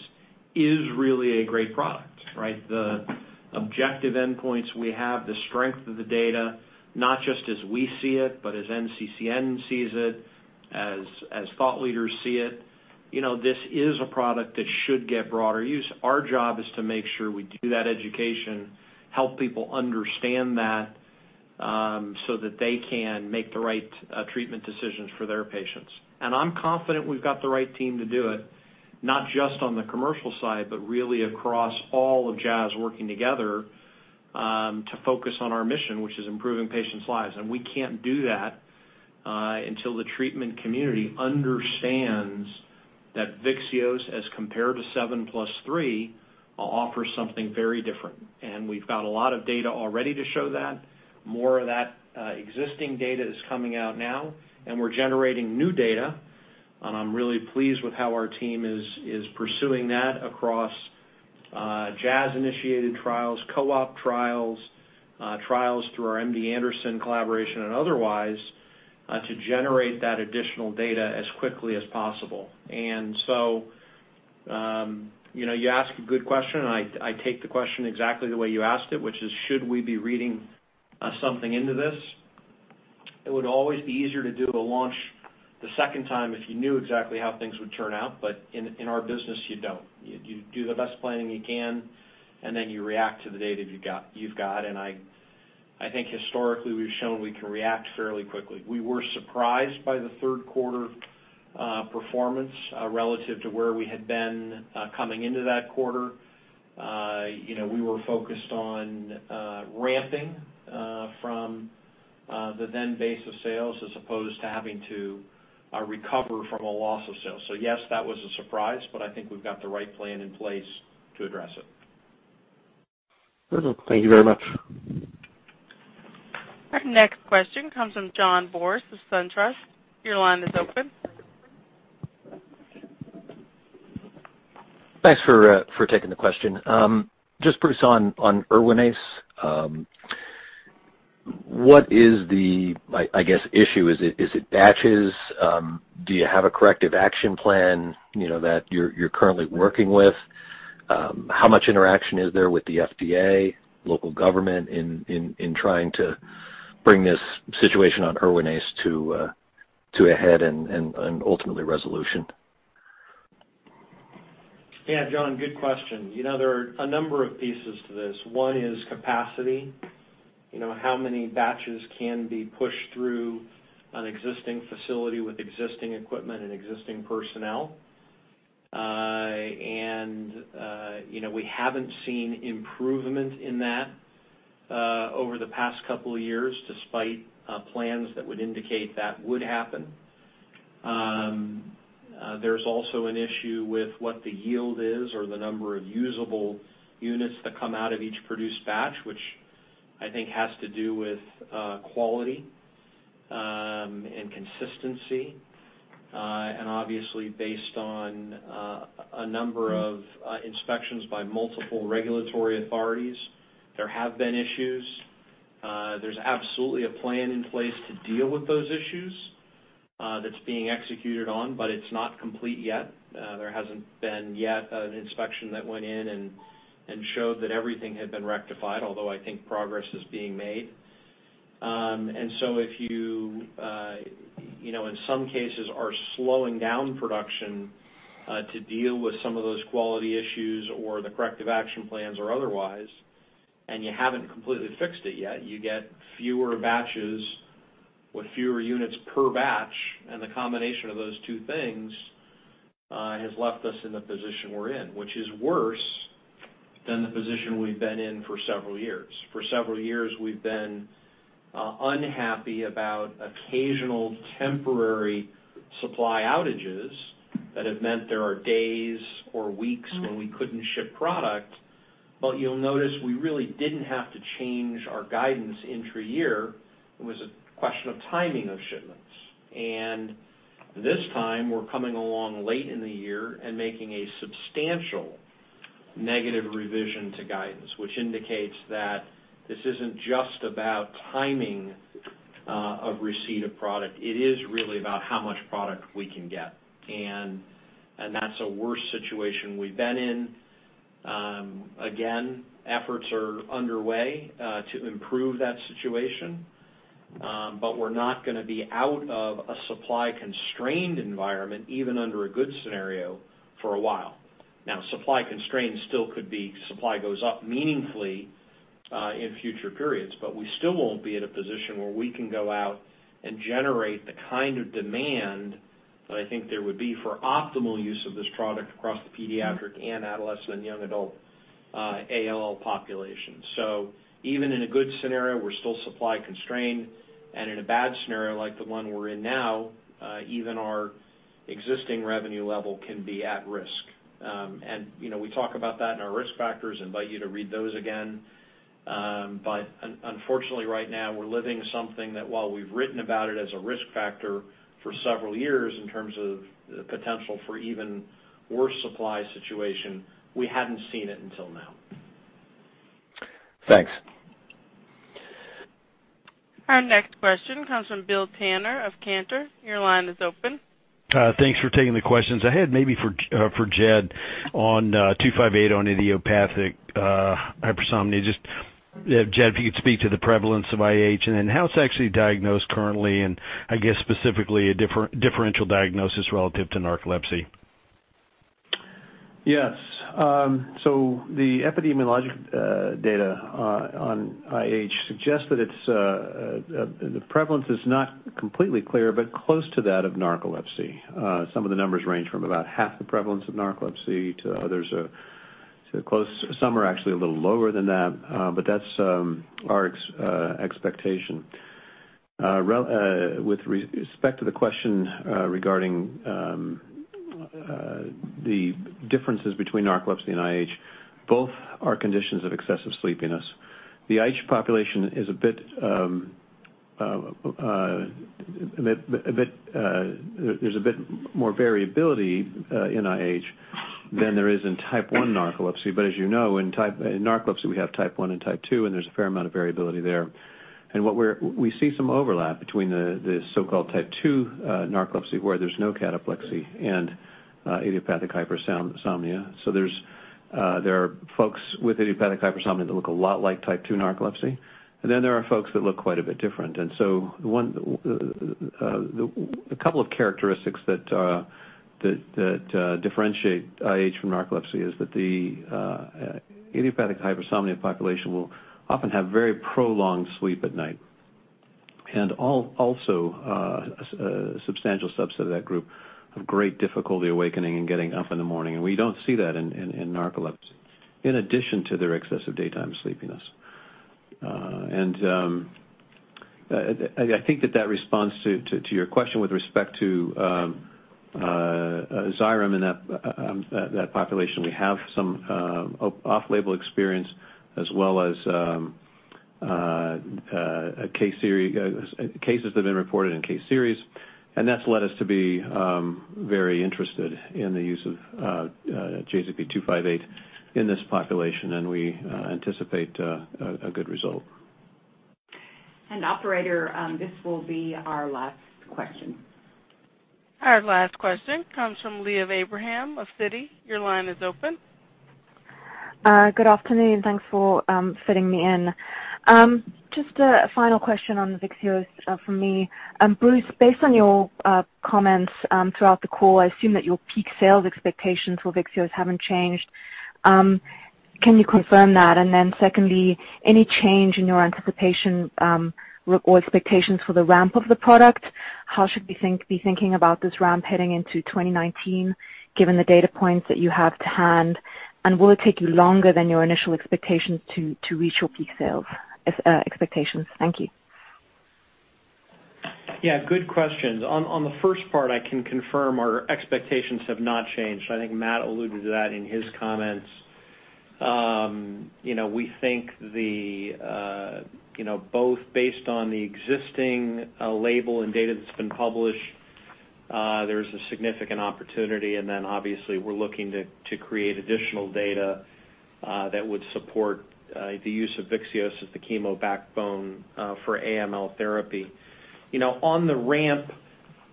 is really a great product, right? The objective endpoints we have, the strength of the data, not just as we see it, but as NCCN sees it, as thought leaders see it, you know, this is a product that should get broader use. Our job is to make sure we do that education, help people understand that, so that they can make the right treatment decisions for their patients. I'm confident we've got the right team to do it, not just on the commercial side, but really across all of Jazz working together, to focus on our mission, which is improving patients' lives. We can't do that, until the treatment community understands that Vyxeos as compared to 7 + 3 offers something very different. We've got a lot of data already to show that. More of that existing data is coming out now, and we're generating new data. I'm really pleased with how our team is pursuing that across Jazz-initiated trials, co-op trials through our MD Anderson collaboration and otherwise, to generate that additional data as quickly as possible. You know, you ask a good question, and I take the question exactly the way you asked it, which is should we be reading something into this? It would always be easier to do a launch the second time if you knew exactly how things would turn out, but in our business, you don't. You do the best planning you can, and then you react to the data you've got, and I think historically we've shown we can react fairly quickly. We were surprised by the Q3 performance relative to where we had been coming into that quarter. You know, we were focused on ramping from the then base of sales as opposed to having to recover from a loss of sales. Yes, that was a surprise, but I think we've got the right plan in place to address it. Okay. Thank you very much. Our next question comes from John Boris of SunTrust. Your line is open. Thanks for taking the question. Just briefly on Erwinaze, what is the, I guess, issue? Is it batches? Do you have a corrective action plan, you know, that you're currently working with? How much interaction is there with the FDA, local government in trying to bring this situation on Erwinaze to a head and ultimately resolution? Yeah, John, good question. You know, there are a number of pieces to this. One is capacity. You know, how many batches can be pushed through an existing facility with existing equipment and existing personnel. You know, we haven't seen improvement in that over the past couple of years despite plans that would indicate that would happen. There's also an issue with what the yield is or the number of usable units that come out of each produced batch, which I think has to do with quality and consistency. And obviously based on a number of inspections by multiple regulatory authorities, there have been issues. There's absolutely a plan in place to deal with those issues that's being executed on, but it's not complete yet. There hasn't been yet an inspection that went in and showed that everything had been rectified, although I think progress is being made. If you know, in some cases are slowing down production, to deal with some of those quality issues or the corrective action plans or otherwise, and you haven't completely fixed it yet, you get fewer batches with fewer units per batch, and the combination of those two things, has left us in the position we're in, which is worse than the position we've been in for several years. For several years, we've been unhappy about occasional temporary supply outages that have meant there are days or weeks when we couldn't ship product. You'll notice we really didn't have to change our guidance intra-year. It was a question of timing of shipments. This time we're coming along late in the year and making a substantial negative revision to guidance, which indicates that this isn't just about timing, of receipt of product, it is really about how much product we can get. That's a worse situation we've been in. Again, efforts are underway to improve that situation. But we're not gonna be out of a supply-constrained environment, even under a good scenario, for a while. Now, supply constraints still could be supply goes up meaningfully, in future periods, but we still won't be in a position where we can go out and generate the kind of demand that I think there would be for optimal use of this product across the pediatric and adolescent and young adult, ALL population. Even in a good scenario, we're still supply constrained. In a bad scenario like the one we're in now, even our existing revenue level can be at risk. You know, we talk about that in our risk factors. Invite you to read those again. Unfortunately, right now we're living something that, while we've written about it as a risk factor for several years in terms of the potential for even worse supply situation, we hadn't seen it until now. Thanks. Our next question comes from Bill Tanner of Cantor. Your line is open. Thanks for taking the questions. I had maybe for Jed on JZP-258 on idiopathic hypersomnia. Just Jed, if you could speak to the prevalence of IH and then how it's actually diagnosed currently, and I guess specifically a differential diagnosis relative to narcolepsy. Yes. So the epidemiologic data on IH suggests that its prevalence is not completely clear, but close to that of narcolepsy. Some of the numbers range from about half the prevalence of narcolepsy to others to close. Some are actually a little lower than that, but that's our expectation. With respect to the question regarding the differences between narcolepsy and IH, both are conditions of excessive sleepiness. The IH population is a bit more variability in IH than there is in type one narcolepsy. As you know, in narcolepsy, we have type one and type two, and there's a fair amount of variability there. We see some overlap between the so-called type 2 narcolepsy where there's no cataplexy and idiopathic hypersomnia. There are folks with idiopathic hypersomnia that look a lot like type 2 narcolepsy, and then there are folks that look quite a bit different. A couple of characteristics that differentiate IH from narcolepsy is that the idiopathic hypersomnia population will often have very prolonged sleep at night and also a substantial subset of that group have great difficulty awakening and getting up in the morning. We don't see that in narcolepsy, in addition to their excessive daytime sleepiness. I think that that responds to your question with respect to Xyrem in that population. We have some off-label experience as well as a case series, cases that have been reported in case series. That's led us to be very interested in the use of JZP-258 in this population, and we anticipate a good result. Operator, this will be our last question. Our last question comes from Liav Abraham of Citi. Your line is open. Good afternoon, and thanks for fitting me in. Just a final question on Vyxeos from me. Bruce, based on your comments throughout the call, I assume that your peak sales expectations for Vyxeos haven't changed. Can you confirm that? Then secondly, any change in your anticipation or expectations for the ramp of the product, how should we be thinking about this ramp heading into 2019 given the data points that you have to hand? Will it take you longer than your initial expectations to reach your peak sales expectations? Thank you. Yeah, good questions. On the first part, I can confirm our expectations have not changed. I think Matt alluded to that in his comments. You know, we think both based on the existing label and data that's been published, there's a significant opportunity. Then obviously we're looking to create additional data that would support the use of Vyxeos as the chemo backbone for AML therapy. You know, on the ramp,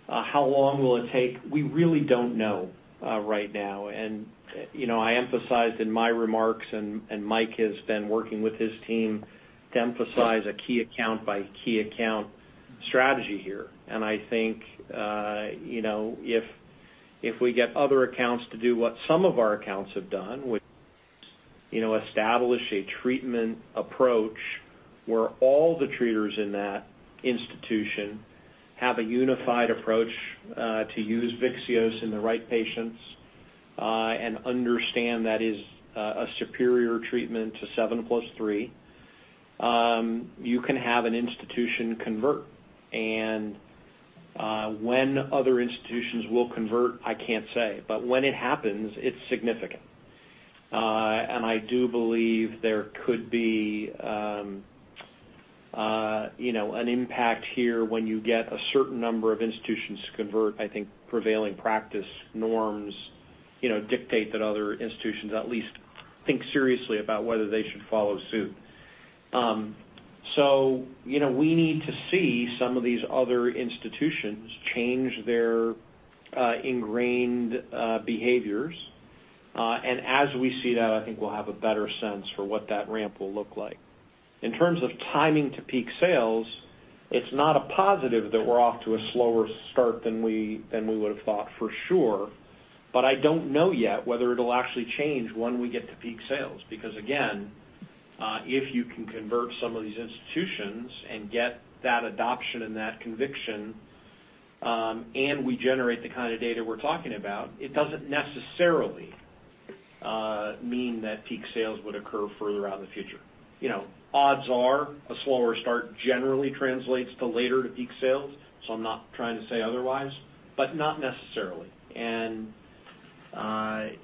how long will it take? We really don't know right now. You know, I emphasized in my remarks, and Mike has been working with his team to emphasize a key account by key account strategy here. I think, you know, if we get other accounts to do what some of our accounts have done, which, you know, establish a treatment approach where all the treaters in that institution have a unified approach, to use Vyxeos in the right patients, and understand that is a superior treatment to 7 + 3, you can have an institution convert. When other institutions will convert, I can't say, but when it happens, it's significant. I do believe there could be, you know, an impact here when you get a certain number of institutions to convert. I think prevailing practice norms, you know, dictate that other institutions at least think seriously about whether they should follow suit. You know, we need to see some of these other institutions change their ingrained behaviors. As we see that, I think we'll have a better sense for what that ramp will look like. In terms of timing to peak sales, it's not a positive that we're off to a slower start than we would've thought for sure, but I don't know yet whether it'll actually change when we get to peak sales. Because again, if you can convert some of these institutions and get that adoption and that conviction, and we generate the kind of data we're talking about, it doesn't necessarily mean that peak sales would occur further out in the future. You know, odds are a slower start generally translates to later to peak sales, so I'm not trying to say otherwise, but not necessarily.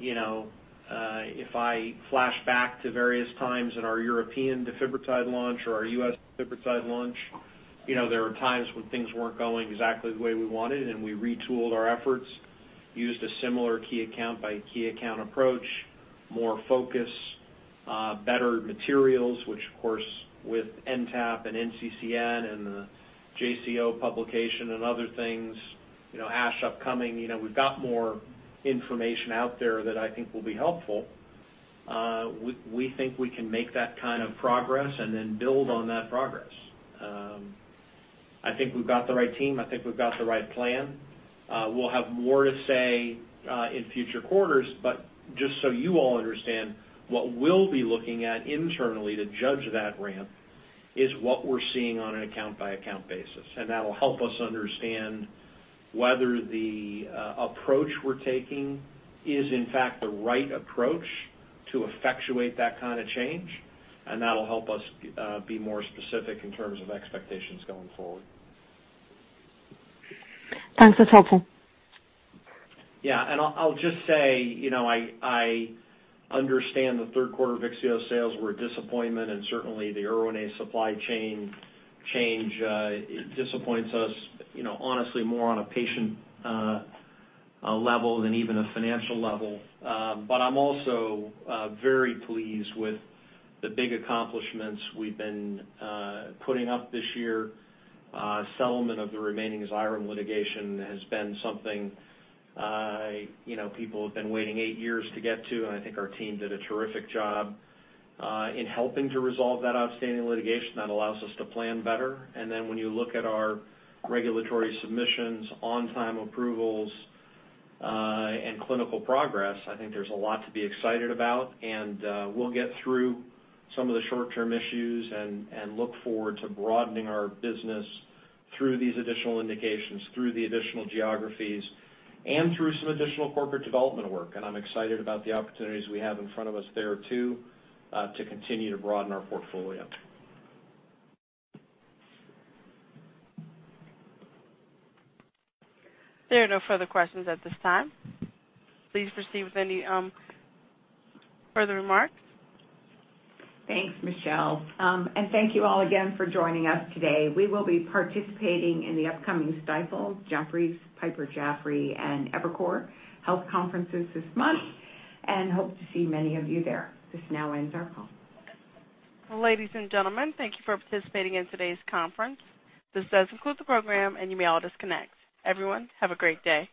You know, if I flash back to various times in our European Defibrotide launch or our U.S. Defibrotide launch, you know, there were times when things weren't going exactly the way we wanted, and we retooled our efforts, used a similar key account by key account approach, more focus, better materials, which of course with NTAP and NCCN and the JCO publication and other things, you know, ASH upcoming, you know, we've got more information out there that I think will be helpful. We think we can make that kind of progress and then build on that progress. I think we've got the right team. I think we've got the right plan. We'll have more to say in future quarters, but just so you all understand, what we'll be looking at internally to judge that ramp is what we're seeing on an account by account basis. That'll help us understand whether the approach we're taking is in fact the right approach to effectuate that kind of change, and that'll help us be more specific in terms of expectations going forward. Thanks. That's helpful. Yeah. I'll just say, you know, I understand the Q3 Vyxeos sales were a disappointment, and certainly the Erwinaze supply chain change, it disappoints us, you know, honestly more on a patient level than even a financial level. I'm also very pleased with the big accomplishments we've been putting up this year. Settlement of the remaining Xyrem litigation has been something, you know, people have been waiting eight years to get to, and I think our team did a terrific job in helping to resolve that outstanding litigation that allows us to plan better. When you look at our regulatory submissions, on-time approvals, and clinical progress, I think there's a lot to be excited about. We'll get through some of the short-term issues and look forward to broadening our business through these additional indications, through the additional geographies, and through some additional corporate development work. I'm excited about the opportunities we have in front of us there too, to continue to broaden our portfolio. There are no further questions at this time. Please proceed with any further remarks. Thanks, Michelle. Thank you all again for joining us today. We will be participating in the upcoming Stifel, Jefferies, Piper Jaffray, and Evercore health conferences this month and hope to see many of you there. This now ends our call. Ladies and gentlemen, thank you for participating in today's conference. This does conclude the program, and you may all disconnect. Everyone, have a great day.